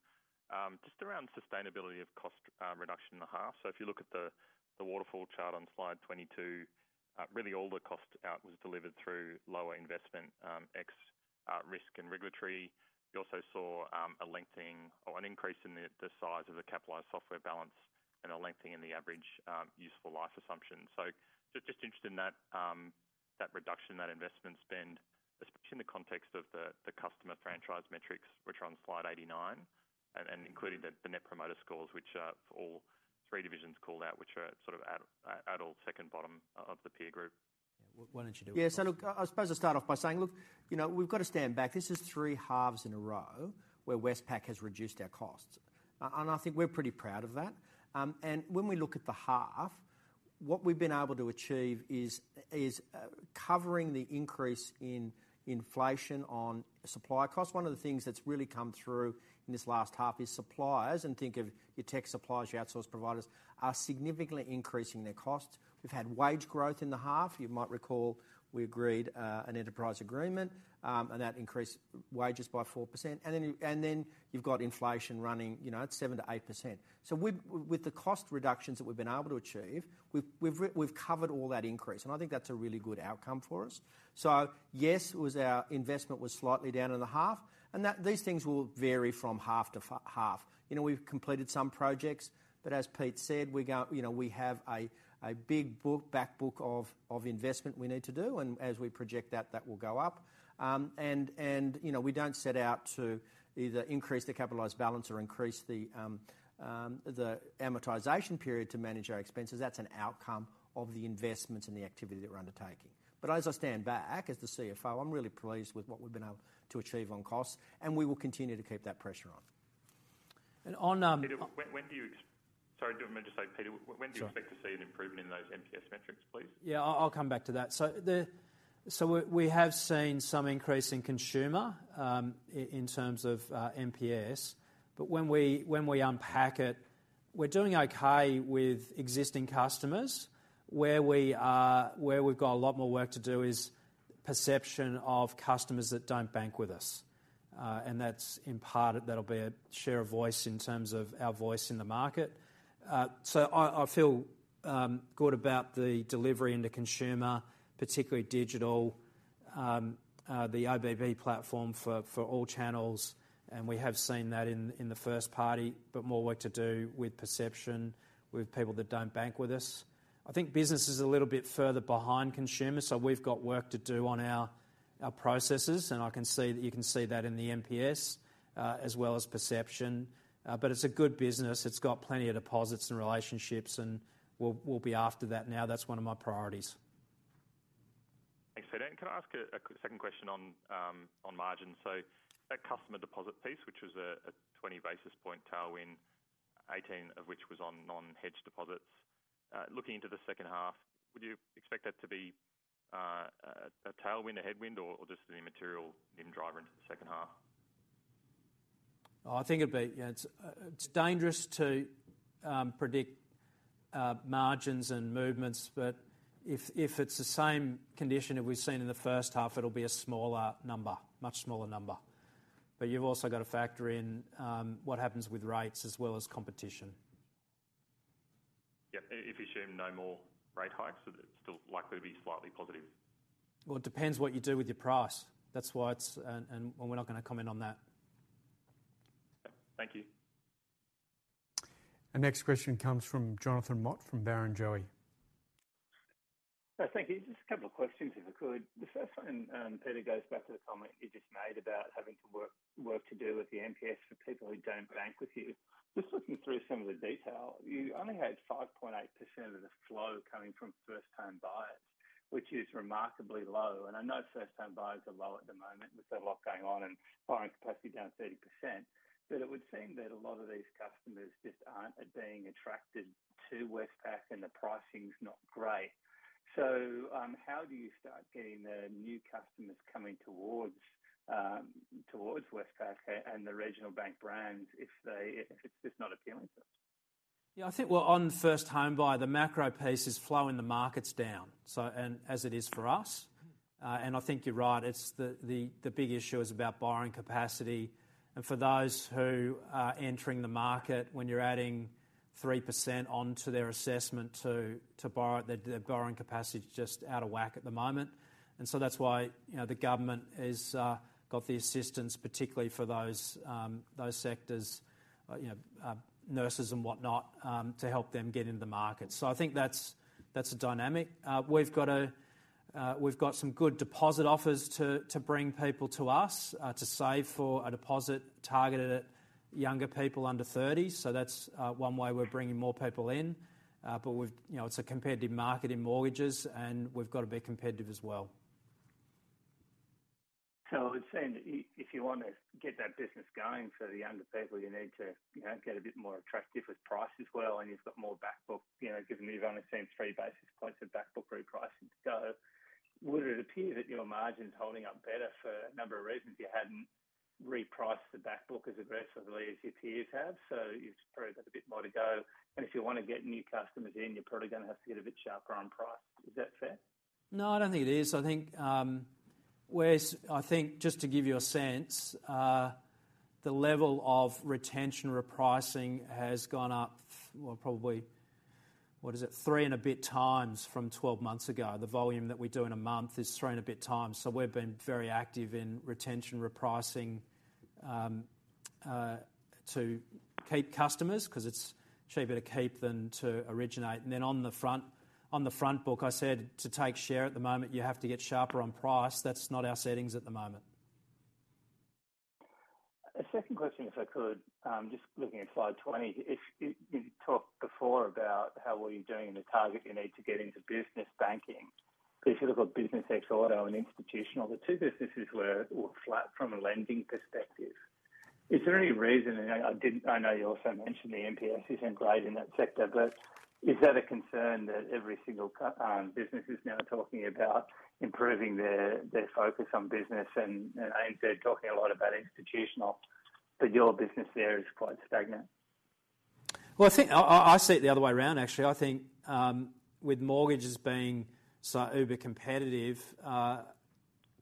just around sustainability of cost reduction in the half. If you look at the waterfall chart on Slide 22, really all the cost out was delivered through lower investment, ex risk and regulatory. You also saw a lengthening or an increase in the size of the capitalized software balance and a lengthening in the average useful life assumption. Just interested in that reduction, that investment spend, especially in the context of the customer franchise metrics which are on Slide 89, and including the net promoter scores, which are for all three divisions called out, which are sort of at all second bottom of the peer group. Why don't you do it? Look, I suppose I'll start off by saying, look, you know, we've got to stand back. This is three halves in a row where Westpac has reduced our costs. I think we're pretty proud of that. When we look at the half, what we've been able to achieve is covering the increase in inflation on supply costs. One of the things that's really come through in this last half is suppliers, and think of your tech suppliers, your outsource providers, are significantly increasing their costs. We've had wage growth in the half. You might recall we agreed an enterprise agreement, and that increased wages by 4%. You've got inflation running, you know, at 7%-8%. With the cost reductions that we've been able to achieve, we've covered all that increase, and I think that's a really good outcome for us. Yes, it was our investment was slightly down in the half, and that these things will vary from half to half. You know, we've completed some projects, but as Peter said, we go, you know, we have a big book, back book of investment we need to do, and as we project that will go up. And, you know, we don't set out to either increase the capitalized balance or increase the amortization period to manage our expenses. That's an outcome of the investments and the activity that we're undertaking. As I stand back as the CFO, I'm really pleased with what we've been able to achieve on costs, and we will continue to keep that pressure on. On Sorry, just want to say, Peter, when do you... Sure. Expect to see an improvement in those NPS metrics, please? Yeah, I'll come back to that. We have seen some increase in consumer, in terms of, NPS. When we unpack it, we're doing okay with existing customers. Where we've got a lot more work to do is perception of customers that don't bank with us. That's in part, that'll be a share of voice in terms of our voice in the market. I feel good about the delivery into consumer, particularly digital, the ABV platform for all channels, and we have seen that in the first party, but more work to do with perception, with people that don't bank with us. I think business is a little bit further behind consumer, we've got work to do on our processes, and I can see, you can see that in the NPS, as well as perception. It's a good business. It's got plenty of deposits and relationships, and we'll be after that now. That's one of my priorities. Thanks, Peter. Can I ask a quick second question on margins? That customer deposit piece, which was a 20 basis point tailwind, 18 of which was on non-hedged deposits. Looking into the second half, would you expect that to be a tailwind, a headwind or just an immaterial driver into the second half? Yeah, it's dangerous to predict margins and movements, but if it's the same condition that we've seen in the first half, it'll be a smaller number, much smaller number. You've also got to factor in what happens with rates as well as competition. Yeah. If you assume no more rate hikes, it's still likely to be slightly positive. Well, it depends what you do with your price. That's why it's... We're not going to comment on that. Thank you. Our next question comes from Jonathan Mott from Barrenjoey. Thank you. Just a couple of questions, if I could. The first one, Peter, goes back to the comment you just made about having to work to do with the NPS for people who don't bank with you. Just looking through some of the detail, you only had 5.8% of the flow coming from first-time buyers, which is remarkably low. I know first-time buyers are low at the moment with a lot going on and borrowing capacity down 30%. It would seem that a lot of these customers just aren't being attracted to Westpac and the pricing is not great. How do you start getting the new customers coming towards Westpac and the Regional Bank brands if they, if it's just not appealing to them? Yeah, I think we're on first-time buyer, the macro piece is flowing the markets down, so, and as it is for us. I think you're right. It's the big issue is about borrowing capacity. For those who are entering the market, when you're adding 3% on to their assessment to borrow, the borrowing capacity is just out of whack at the moment. That's why, you know, the government has got the assistance, particularly for those sectors, you know, nurses and whatnot, to help them get into the market. I think that's a dynamic. We've got some good deposit offers to bring people to us to save for a deposit targeted at younger people under 30. That's one way we're bringing more people in. You know, it's a competitive market in mortgages, and we've got to be competitive as well. It would seem if you want to get that business going for the younger people, you need to, you know, get a bit more attractive with price as well, and you've got more back book, you know, given that you've only seen 3 basis points of back book repricing go. Would it appear that your margin is holding up better for a number of reasons you hadn't repriced the back book as aggressively as your peers have? You've probably got a bit more to go. If you want to get new customers in, you're probably going to have to get a bit sharper on price. Is that fair? No, I don't think it is. I think, just to give you a sense, the level of retention repricing has gone up, well, probably, what is it? Three and a bit times from 12 months ago. The volume that we do in a month is three and a bit times. We've been very active in retention repricing to keep customers 'cause it's cheaper to keep than to originate. Then on the front book, I said, to take share at the moment, you have to get sharper on price. That's not our settings at the moment. A second question, if I could. Just looking at slide 20. If you talked before about how well you're doing and the target you need to get into business banking. If you look at business ex auto and institutional, the two businesses were all flat from a lending perspective. Is there any reason, and I didn't I know you also mentioned the NPS isn't great in that sector, but is that a concern that every single business is now talking about improving their focus on business and ANZ talking a lot about institutional, but your business there is quite stagnant? Well, I think, I see it the other way around, actually. I think, with mortgages being so uber competitive,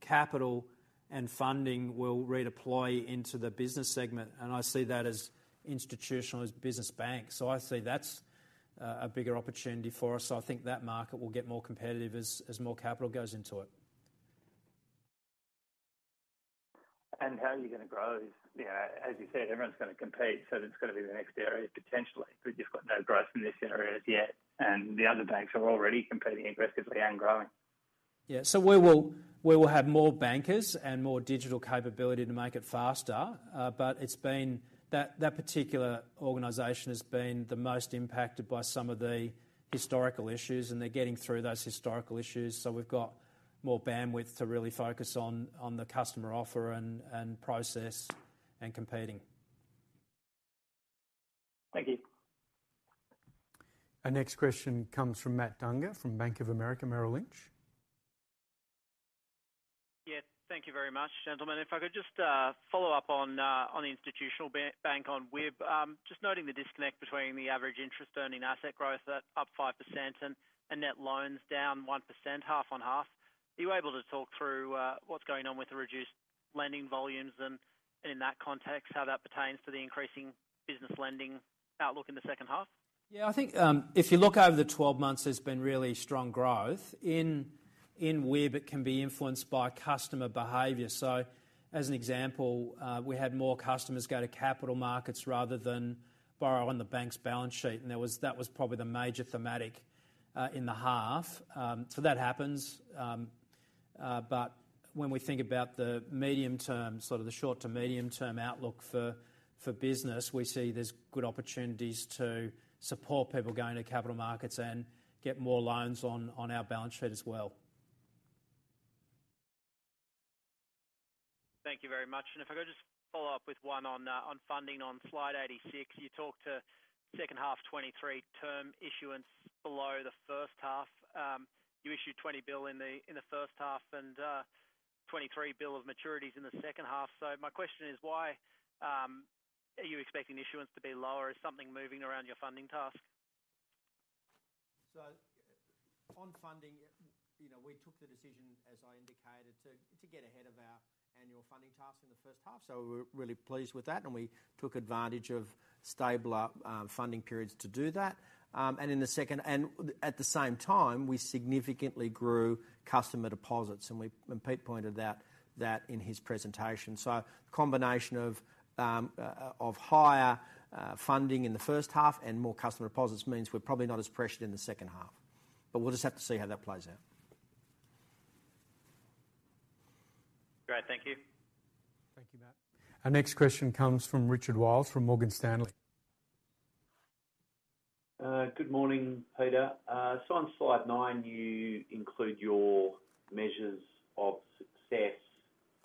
capital and funding will redeploy into the business segment, and I see that as institutional as business banks. I see that's a bigger opportunity for us. I think that market will get more competitive as more capital goes into it. How are you going to grow? You know, as you said, everyone's going to compete. That's got to be the next area, potentially. We've just got no growth in this area as yet. The other banks are already competing aggressively and growing. Yeah. We will have more bankers and more digital capability to make it faster. That particular organization has been the most impacted by some of the historical issues, and they're getting through those historical issues. We've got more bandwidth to really focus on the customer offer and process and competing. Thank you. Our next question comes from Matt Dunger, from Bank of America Merrill Lynch. Yeah, thank you very much, gentlemen. If I could just follow up on on the institutional bank on WIB. Just noting the disconnect between the average interest earning asset growth at up 5% and net loans down 1% half on half. Are you able to talk through what's going on with the reduced lending volumes and in that context, how that pertains to the increasing business lending outlook in the second half? Yeah, I think, if you look over the 12 months, there's been really strong growth. In WIB, it can be influenced by customer behavior. As an example, we had more customers go to capital markets rather than borrow on the bank's balance sheet, and that was probably the major thematic in the half. That happens. When we think about the medium term, sort of the short to medium term outlook for business, we see there's good opportunities to support people going to capital markets and get more loans on our balance sheet as well. Thank you very much. If I could just follow up with one on funding. On Slide 86, you talked to second half 2023 term issuance below the first half. You issued 20 billion in the first half and 23 billion of maturities in the second half. My question is why are you expecting issuance to be lower? Is something moving around your funding task? On funding, you know, we took the decision, as I indicated, to get ahead of our annual funding task in the first half, so we're really pleased with that, and we took advantage of stabler funding periods to do that. At the same time, we significantly grew customer deposits, and Pete pointed out that in his presentation. Combination of higher funding in the first half and more customer deposits means we're probably not as pressured in the second half, but we'll just have to see how that plays out. Great. Thank you. Thank you, Matt. Our next question comes from Richard Wiles from Morgan Stanley. Good morning, Peter. On Slide 9, you include your measures of success.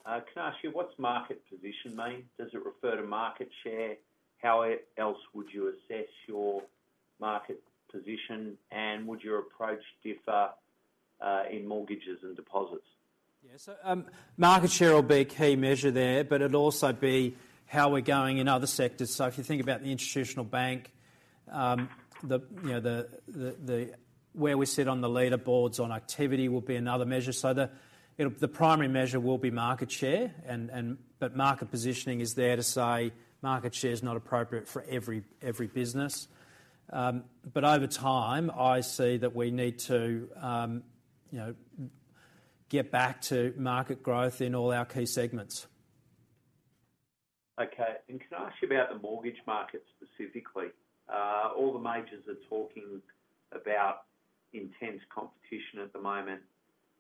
Can I ask you, what's market position mean? Does it refer to market share? How else would you assess your market position, and would your approach differ, in mortgages and deposits? Yeah. Market share will be a key measure there, but it'll also be how we're going in other sectors. If you think about the institutional bank, you know, where we sit on the leaderboards on activity will be another measure. The primary measure will be market share and market positioning is there to say market share is not appropriate for every business. Over time, I see that we need to, you know, get back to market growth in all our key segments. Okay. Can I ask you about the mortgage market specifically? All the majors are talking about intense competition at the moment.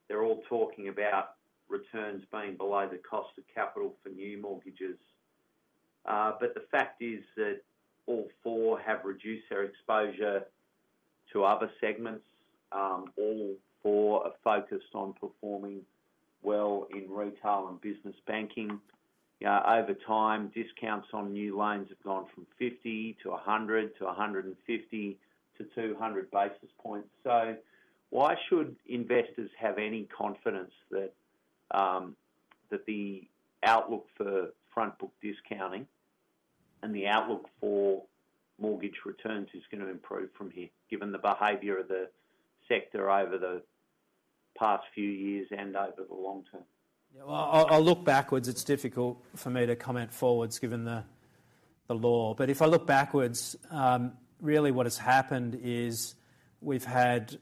They're all talking about returns being below the cost of capital for new mortgages. The fact is that all four have reduced their exposure to other segments. All four are focused on performing well in retail and business banking. You know, over time, discounts on new loans have gone from 50 to 100 to 150 to 200 basis points. Why should investors have any confidence that the outlook for front book discounting and the outlook for mortgage returns is gonna improve from here, given the behavior of the sector over the past few years and over the long term? Yeah. I'll look backwards. It's difficult for me to comment forwards given the law. But if I look backwards, really what has happened is we've had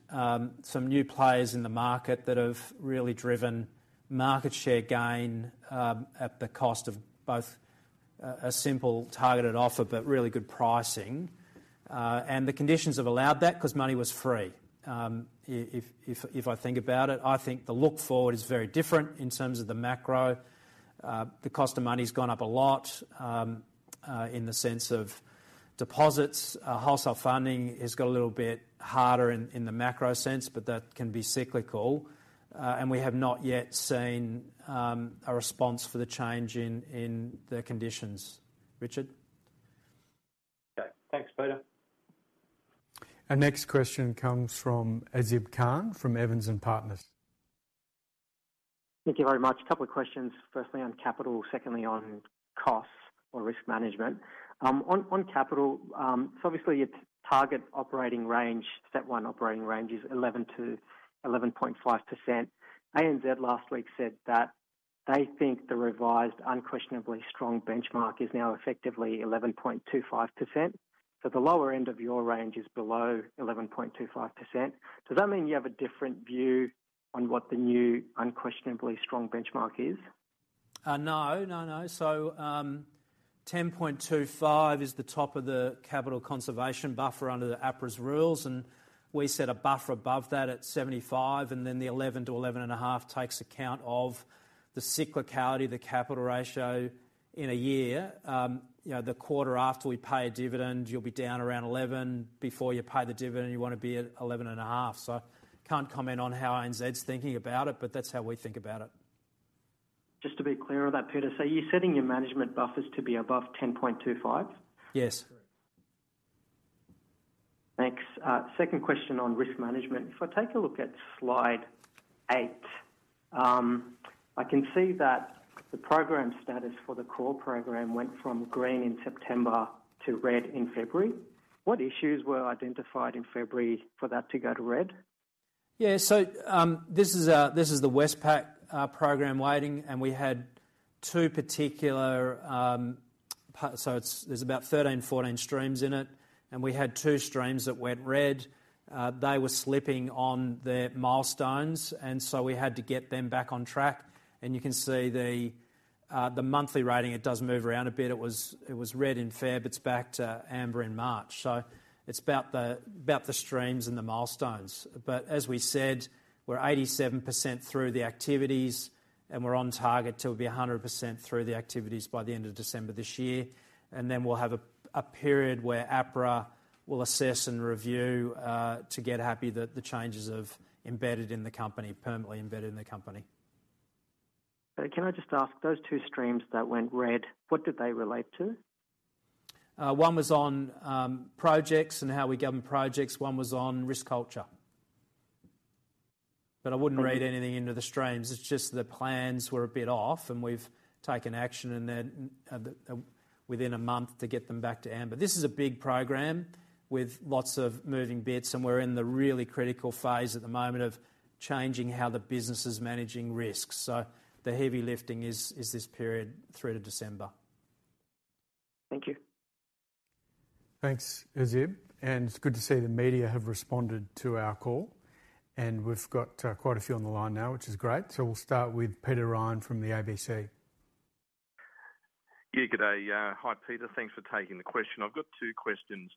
some new players in the market that have really driven market share gain at the cost of both a simple targeted offer, but really good pricing. The conditions have allowed that because money was free. If I think about it, I think the look forward is very different in terms of the macro. The cost of money's gone up a lot in the sense of deposits. Wholesale funding has got a little bit harder in the macro sense, but that can be cyclical. We have not yet seen a response for the change in the conditions. Richard? Okay. Thanks, Peter. Our next question comes from Azib Khan, from Evans and Partners. Thank you very much. A couple of questions. Firstly, on capital, secondly, on costs or risk management. On capital, so obviously your target operating range, step one operating range is 11%-11.5%. ANZ last week said that they think the revised unquestionably strong benchmark is now effectively 11.25%. The lower end of your range is below 11.25%. Does that mean you have a different view on what the new unquestionably strong benchmark is? No. No, no. 10.25% is the top of the capital conservation buffer under APRA's rules, and we set a buffer above that at 75, and then the 11%-11.5% takes account of the cyclicality of the capital ratio in a year. You know, the quarter after we pay a dividend, you'll be down around 11%. Before you pay the dividend, you wanna be at 11.5%. Can't comment on how ANZ's thinking about it, but that's how we think about it. Just to be clear on that, Peter. You're setting your management buffers to be above 10.25%? Yes. Thanks. Second question on risk management. If I take a look at Slide 8, I can see that the program status for the CORE program went from green in September to red in February. What issues were identified in February for that to go to red? Yeah. This is the Westpac program rating, we had two particular, there's about 13, 14 streams in it, we had two streams that went red. They were slipping on their milestones, we had to get them back on track. You can see the monthly rating, it does move around a bit. It was red in Feb, it's back to amber in March. It's about the streams and the milestones. As we said, we're 87% through the activities, and we're on target to be 100% through the activities by the end of December this year. We'll have a period where APRA will assess and review to get happy that the changes have embedded in the company, permanently embedded in the company. Can I just ask, those two streams that went red, what did they relate to? One was on projects and how we govern projects, one was on risk culture. I wouldn't read anything into the streams, it's just the plans were a bit off, and we've taken action and then within a month to get them back to amber. This is a big program with lots of moving bits, and we're in the really critical phase at the moment of changing how the business is managing risks. The heavy lifting is this period through to December. Thank you. Thanks, Azib. It's good to see the media have responded to our call. We've got quite a few on the line now, which is great. We'll start with Peter Ryan from the ABC. Yeah, good day. Hi, Peter. Thanks for taking the question. I've got two questions.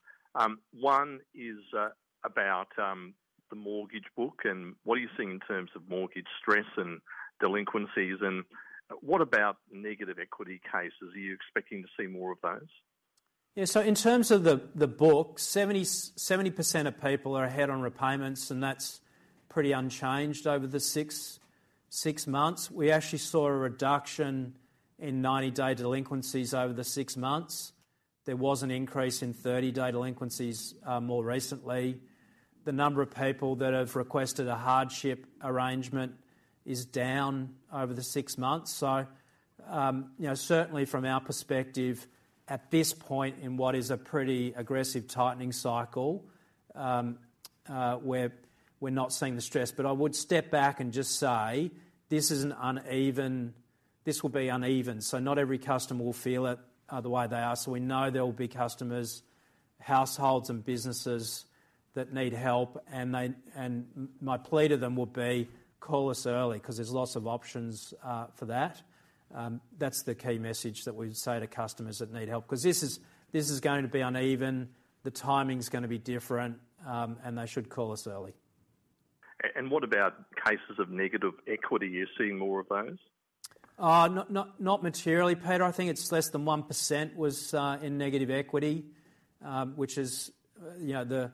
One is about the mortgage book, and what are you seeing in terms of mortgage stress and delinquencies? What about negative equity cases? Are you expecting to see more of those? Yeah. In terms of the book, 70% of people are ahead on repayments, and that's pretty unchanged over the six months. We actually saw a reduction in 90-day delinquencies over the six months. There was an increase in 30-day delinquencies more recently. The number of people that have requested a hardship arrangement is down over the six months. You know, certainly from our perspective at this point in what is a pretty aggressive tightening cycle, we're not seeing the stress. I would step back and just say this will be uneven, so not every customer will feel it the way they are. We know there will be customers, households and businesses that need help, and my plea to them would be, call us early because there's lots of options for that. That's the key message that we say to customers that need help, because this is going to be uneven, the timing is gonna be different, and they should call us early. What about cases of negative equity? Are you seeing more of those? Not materially, Peter. I think it's less than 1% was in negative equity, which is, you know, the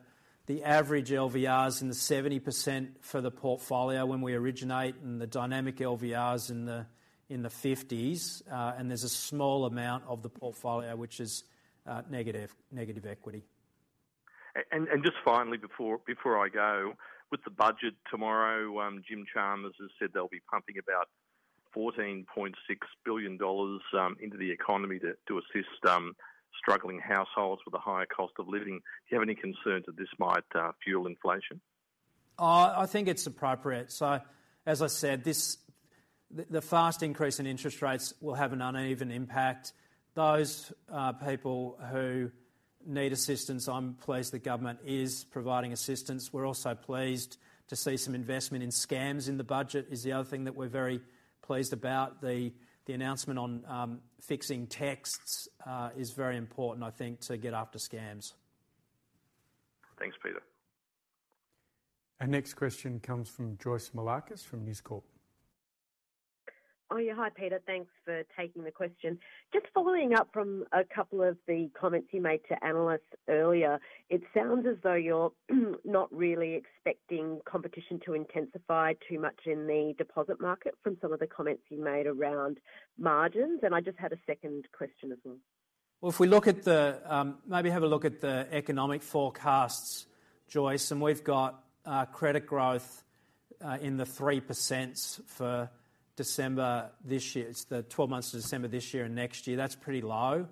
average LVRs in the 70% for the portfolio when we originate and the dynamic LVRs in the 50s. There's a small amount of the portfolio which is negative equity. Just finally before I go, with the budget tomorrow, Jim Chalmers has said they'll be pumping about 14.6 billion dollars into the economy to assist struggling households with the higher cost of living. Do you have any concerns that this might fuel inflation? I think it's appropriate. As I said, the fast increase in interest rates will have an uneven impact. Those people who need assistance, I'm pleased the government is providing assistance. We're also pleased to see some investment in scams in the budget is the other thing that we're very pleased about. The announcement on fixing texts is very important, I think, to get after scams. Thanks, Peter. Our next question comes from Joyce Moullakis from The Australian. Oh yeah. Hi, Peter. Thanks for taking the question. Just following up from a couple of the comments you made to analysts earlier, it sounds as though you're not really expecting competition to intensify too much in the deposit market from some of the comments you made around margins. I just had a second question as well. Well, if we look at the, maybe have a look at the economic forecasts, Joyce, we've got credit growth in the 3% for December this year. It's the 12 months to December this year and next year. That's pretty low.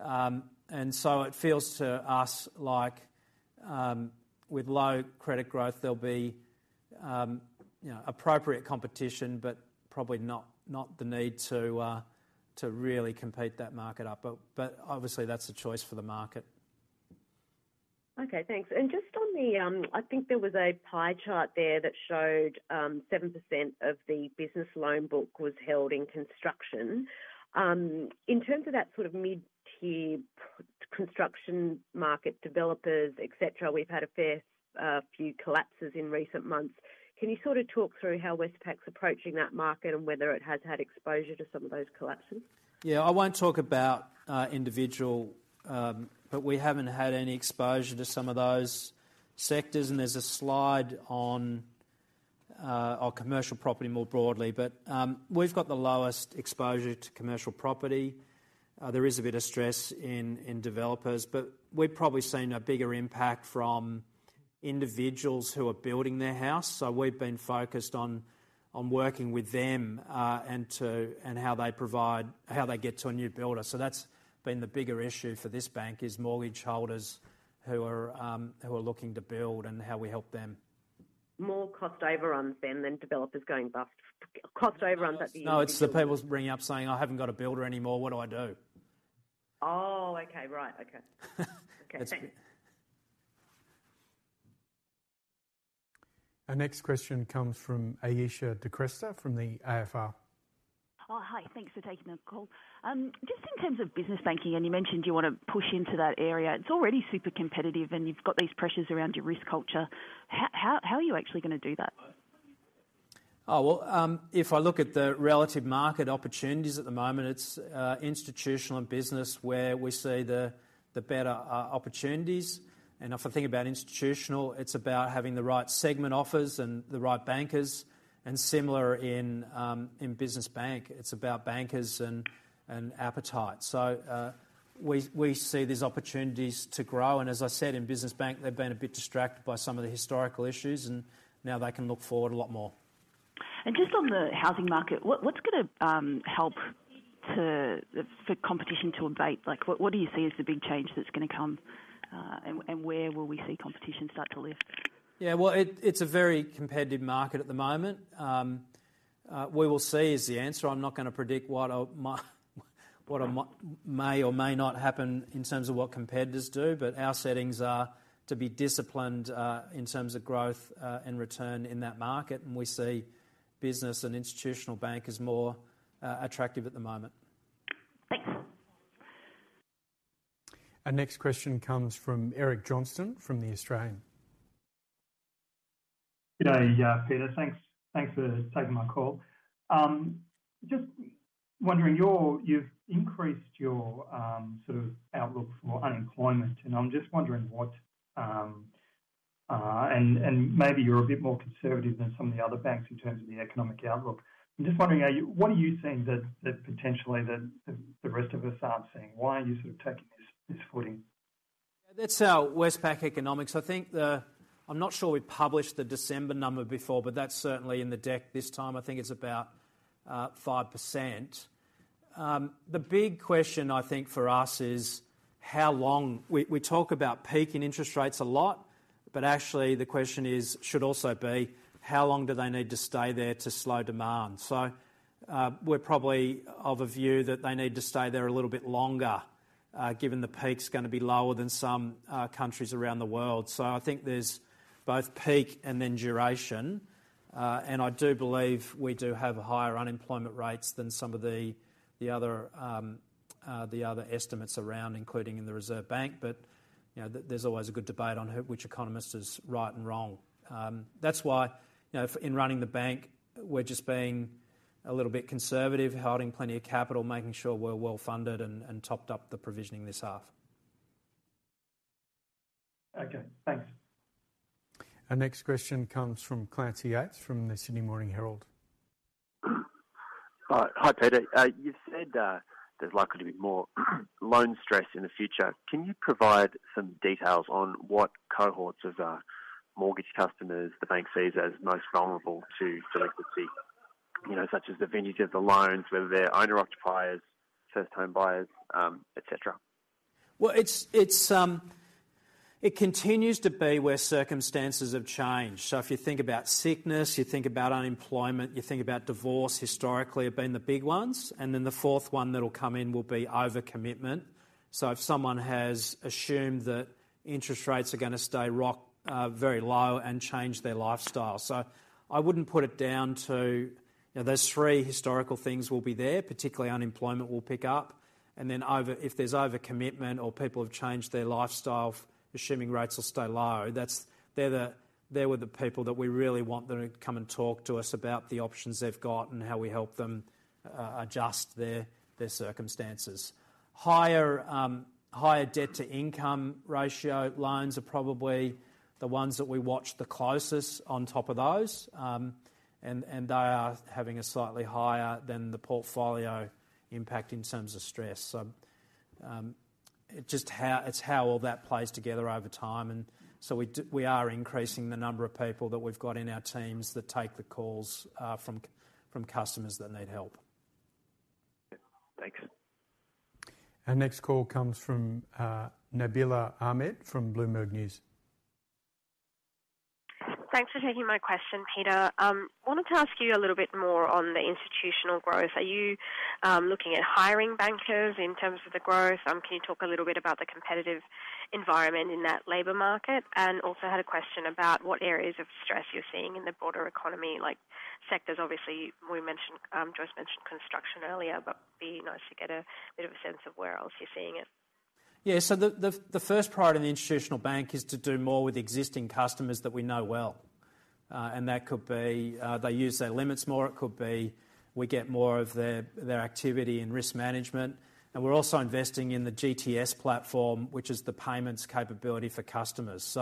It feels to us like, with low credit growth, there'll be, you know, appropriate competition but probably not the need to really compete that market up. Obviously that's a choice for the market. Okay, thanks. Just on the, I think there was a pie chart there that showed, 7% of the business loan book was held in construction. In terms of that sort of mid-tier construction market, developers, et cetera, we've had a fair, few collapses in recent months. Can you sort of talk through how Westpac's approaching that market and whether it has had exposure to some of those collapses? Yeah. I won't talk about individual, but we haven't had any exposure to some of those sectors. There's a slide on our commercial property more broadly, but we've got the lowest exposure to commercial property. There is a bit of stress in developers, but we've probably seen a bigger impact from individuals who are building their house. We've been focused on working with them, and how they get to a new builder. That's been the bigger issue for this bank, is mortgage holders who are looking to build and how we help them. More cost overruns then than developers going bust. Cost overruns that the individuals- No, it's the people ringing up saying, "I haven't got a builder anymore. What do I do? Oh, okay. Right. Okay. Okay, thanks. That's good. Our next question comes from Ayesha de Kretser from the AFR. Oh, hi. Thanks for taking the call. Just in terms of business banking, and you mentioned you wanna push into that area, it's already super competitive, and you've got these pressures around your risk culture. How are you actually gonna do that? Well, if I look at the relative market opportunities at the moment, it's institutional and business where we see the better opportunities. If I think about institutional, it's about having the right segment offers and the right bankers. Similar in business bank, it's about bankers and appetite. We see there's opportunities to grow, and as I said, in business bank, they've been a bit distracted by some of the historical issues, and now they can look forward a lot more. Just on the housing market, what's gonna help for competition to abate? Like, what do you see as the big change that's gonna come, and where will we see competition start to lift? Yeah, well, it's a very competitive market at the moment. We will see is the answer. I'm not gonna predict what I may or may not happen in terms of what competitors do, but our settings are to be disciplined in terms of growth and return in that market. We see business and institutional bank as more attractive at the moment. Thanks. Our next question comes from Eric Johnston from The Australian. G'day, Peter. Thanks for taking my call. Just wondering, you've increased your sort of outlook for unemployment. Maybe you're a bit more conservative than some of the other banks in terms of the economic outlook. I'm just wondering, what are you seeing that potentially the rest of us aren't seeing? Why are you sort of taking this footing? That's our Westpac economics. I'm not sure we've published the December number before, but that's certainly in the deck this time. I think it's about 5%. The big question I think for us is, we talk about peaking interest rates a lot, but actually the question should also be, how long do they need to stay there to slow demand? We're probably of a view that they need to stay there a little bit longer, given the peak's gonna be lower than some countries around the world. I think there's both peak and then duration. I do believe we do have higher unemployment rates than some of the other estimates around, including in the Reserve Bank. You know, there's always a good debate on which economist is right and wrong. That's why, you know, in running the bank, we're just being a little bit conservative, holding plenty of capital, making sure we're well-funded and topped up the provisioning this half. Okay, thanks. Our next question comes from Clancy Yeates from the Sydney Morning Herald. Hi, Peter. You've said, there's likely to be more loan stress in the future. Can you provide some details on what cohorts of mortgage customers the bank sees as most vulnerable to delinquency? You know, such as the vintage of the loans, whether they're owner-occupiers, first-time buyers, et cetera. It's it continues to be where circumstances have changed. If you think about sickness, you think about unemployment, you think about divorce historically have been the big ones. The fourth one that'll come in will be overcommitment. If someone has assumed that interest rates are gonna stay rock very low and change their lifestyle. I wouldn't put it down to... You know, those three historical things will be there, particularly unemployment will pick up, and then if there's overcommitment or people have changed their lifestyle assuming rates will stay low, they were the people that we really want them to come and talk to us about the options they've got and how we help them adjust their circumstances. Higher, higher debt-to-income ratio loans are probably the ones that we watch the closest on top of those. They are having a slightly higher than the portfolio impact in terms of stress. It's how all that plays together over time and so we are increasing the number of people that we've got in our teams that take the calls, from customers that need help. Yeah. Thanks. Our next call comes from Nabila Ahmed from Bloomberg News. Thanks for taking my question, Peter. wanted to ask you a little bit more on the institutional growth. Are you looking at hiring bankers in terms of the growth? Can you talk a little bit about the competitive environment in that labor market? Also had a question about what areas of stress you're seeing in the broader economy, like sectors. Obviously, we mentioned, Joyce mentioned construction earlier, but be nice to get a bit of a sense of where else you're seeing it? The first priority in the institutional bank is to do more with existing customers that we know well. That could be, they use their limits more. It could be we get more of their activity in risk management. We're also investing in the GTS platform, which is the payments capability for customers.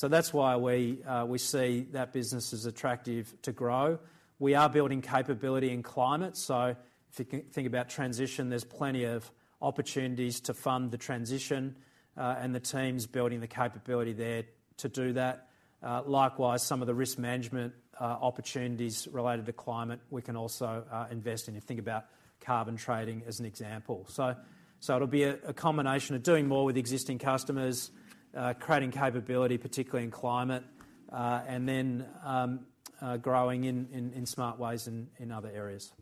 That's why we see that business as attractive to grow. We are building capability in climate, if you think about transition, there's plenty of opportunities to fund the transition, the team's building the capability there to do that. Likewise, some of the risk management opportunities related to climate, we can also invest in. You think about carbon trading as an example. It'll be a combination of doing more with existing customers, creating capability, particularly in climate, and then, growing in smart ways in other areas.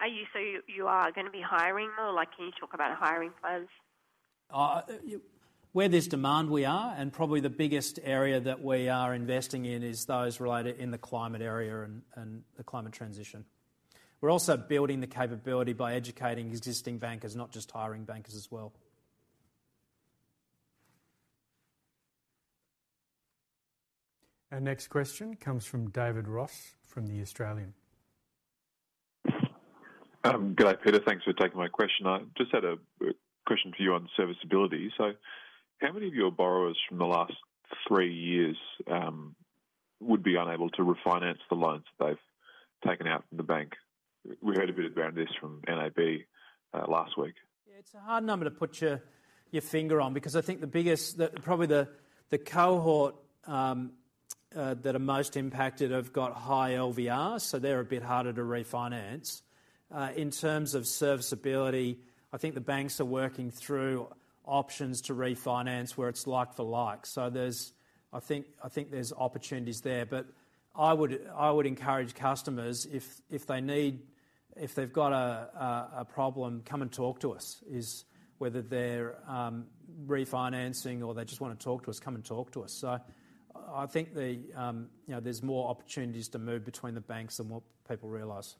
Are you saying you are gonna be hiring more? Can you talk about hiring plans? Where there's demand, we are, and probably the biggest area that we are investing in is those related in the climate area and the climate transition. We're also building the capability by educating existing bankers, not just hiring bankers as well. Our next question comes from David Ross from The Australian. Good day, Peter. Thanks for taking my question. I just had a question for you on serviceability. How many of your borrowers from the last three years would be unable to refinance the loans they've taken out from the bank? We heard a bit about this from NAB last week. It's a hard number to put your finger on because I think the biggest, the, probably the cohort that are most impacted have got high LVRs, so they're a bit harder to refinance. In terms of serviceability, I think the banks are working through options to refinance where it's like for like. I think there's opportunities there. I would encourage customers if they need, if they've got a problem, come and talk to us, whether they're refinancing or they just wanna talk to us, come and talk to us. I think, you know, there's more opportunities to move between the banks than what people realize.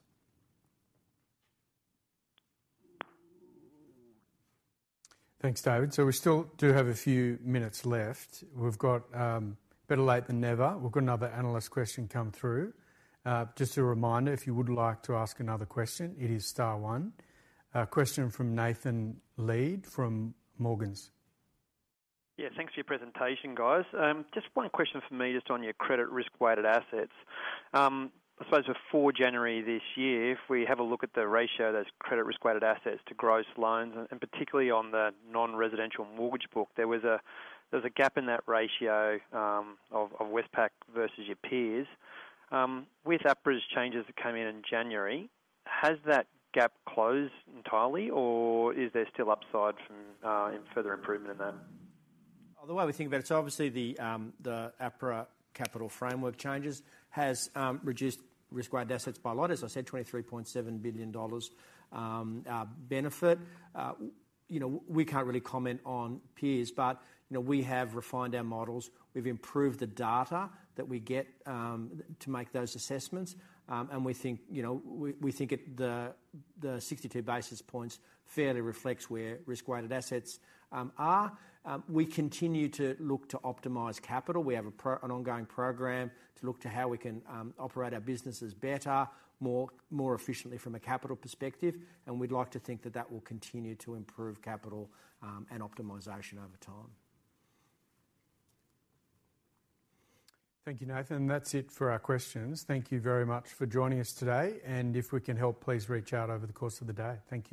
Thanks, David. We still do have a few minutes left. We've got better late than never. We've got another analyst question come through. Just a reminder, if you would like to ask another question, it is star one. A question from Nathan Lead from Morgans. Yeah. Thanks for your presentation, guys. Just one question from me, just on your credit risk-weighted assets. I suppose before January this year, if we have a look at the ratio, those credit risk-weighted assets to gross loans, and particularly on the non-residential mortgage book, there was a gap in that ratio of Westpac versus your peers. With APRA's changes that came in in January, has that gap closed entirely, or is there still upside from in further improvement in that? The way we think about it, obviously the APRA capital framework changes has reduced risk-weighted assets by a lot, as I said, 23.7 billion dollars benefit. You know, we can't really comment on peers, but you know, we have refined our models. We've improved the data that we get to make those assessments. And we think, you know, we think it, the 62 basis points fairly reflects where risk-weighted assets are. We continue to look to optimize capital. We have an ongoing program to look to how we can operate our businesses better, more efficiently from a capital perspective, and we'd like to think that that will continue to improve capital and optimization over time. Thank you, Nathan. That's it for our questions. Thank you very much for joining us today, and if we can help, please reach out over the course of the day. Thank you.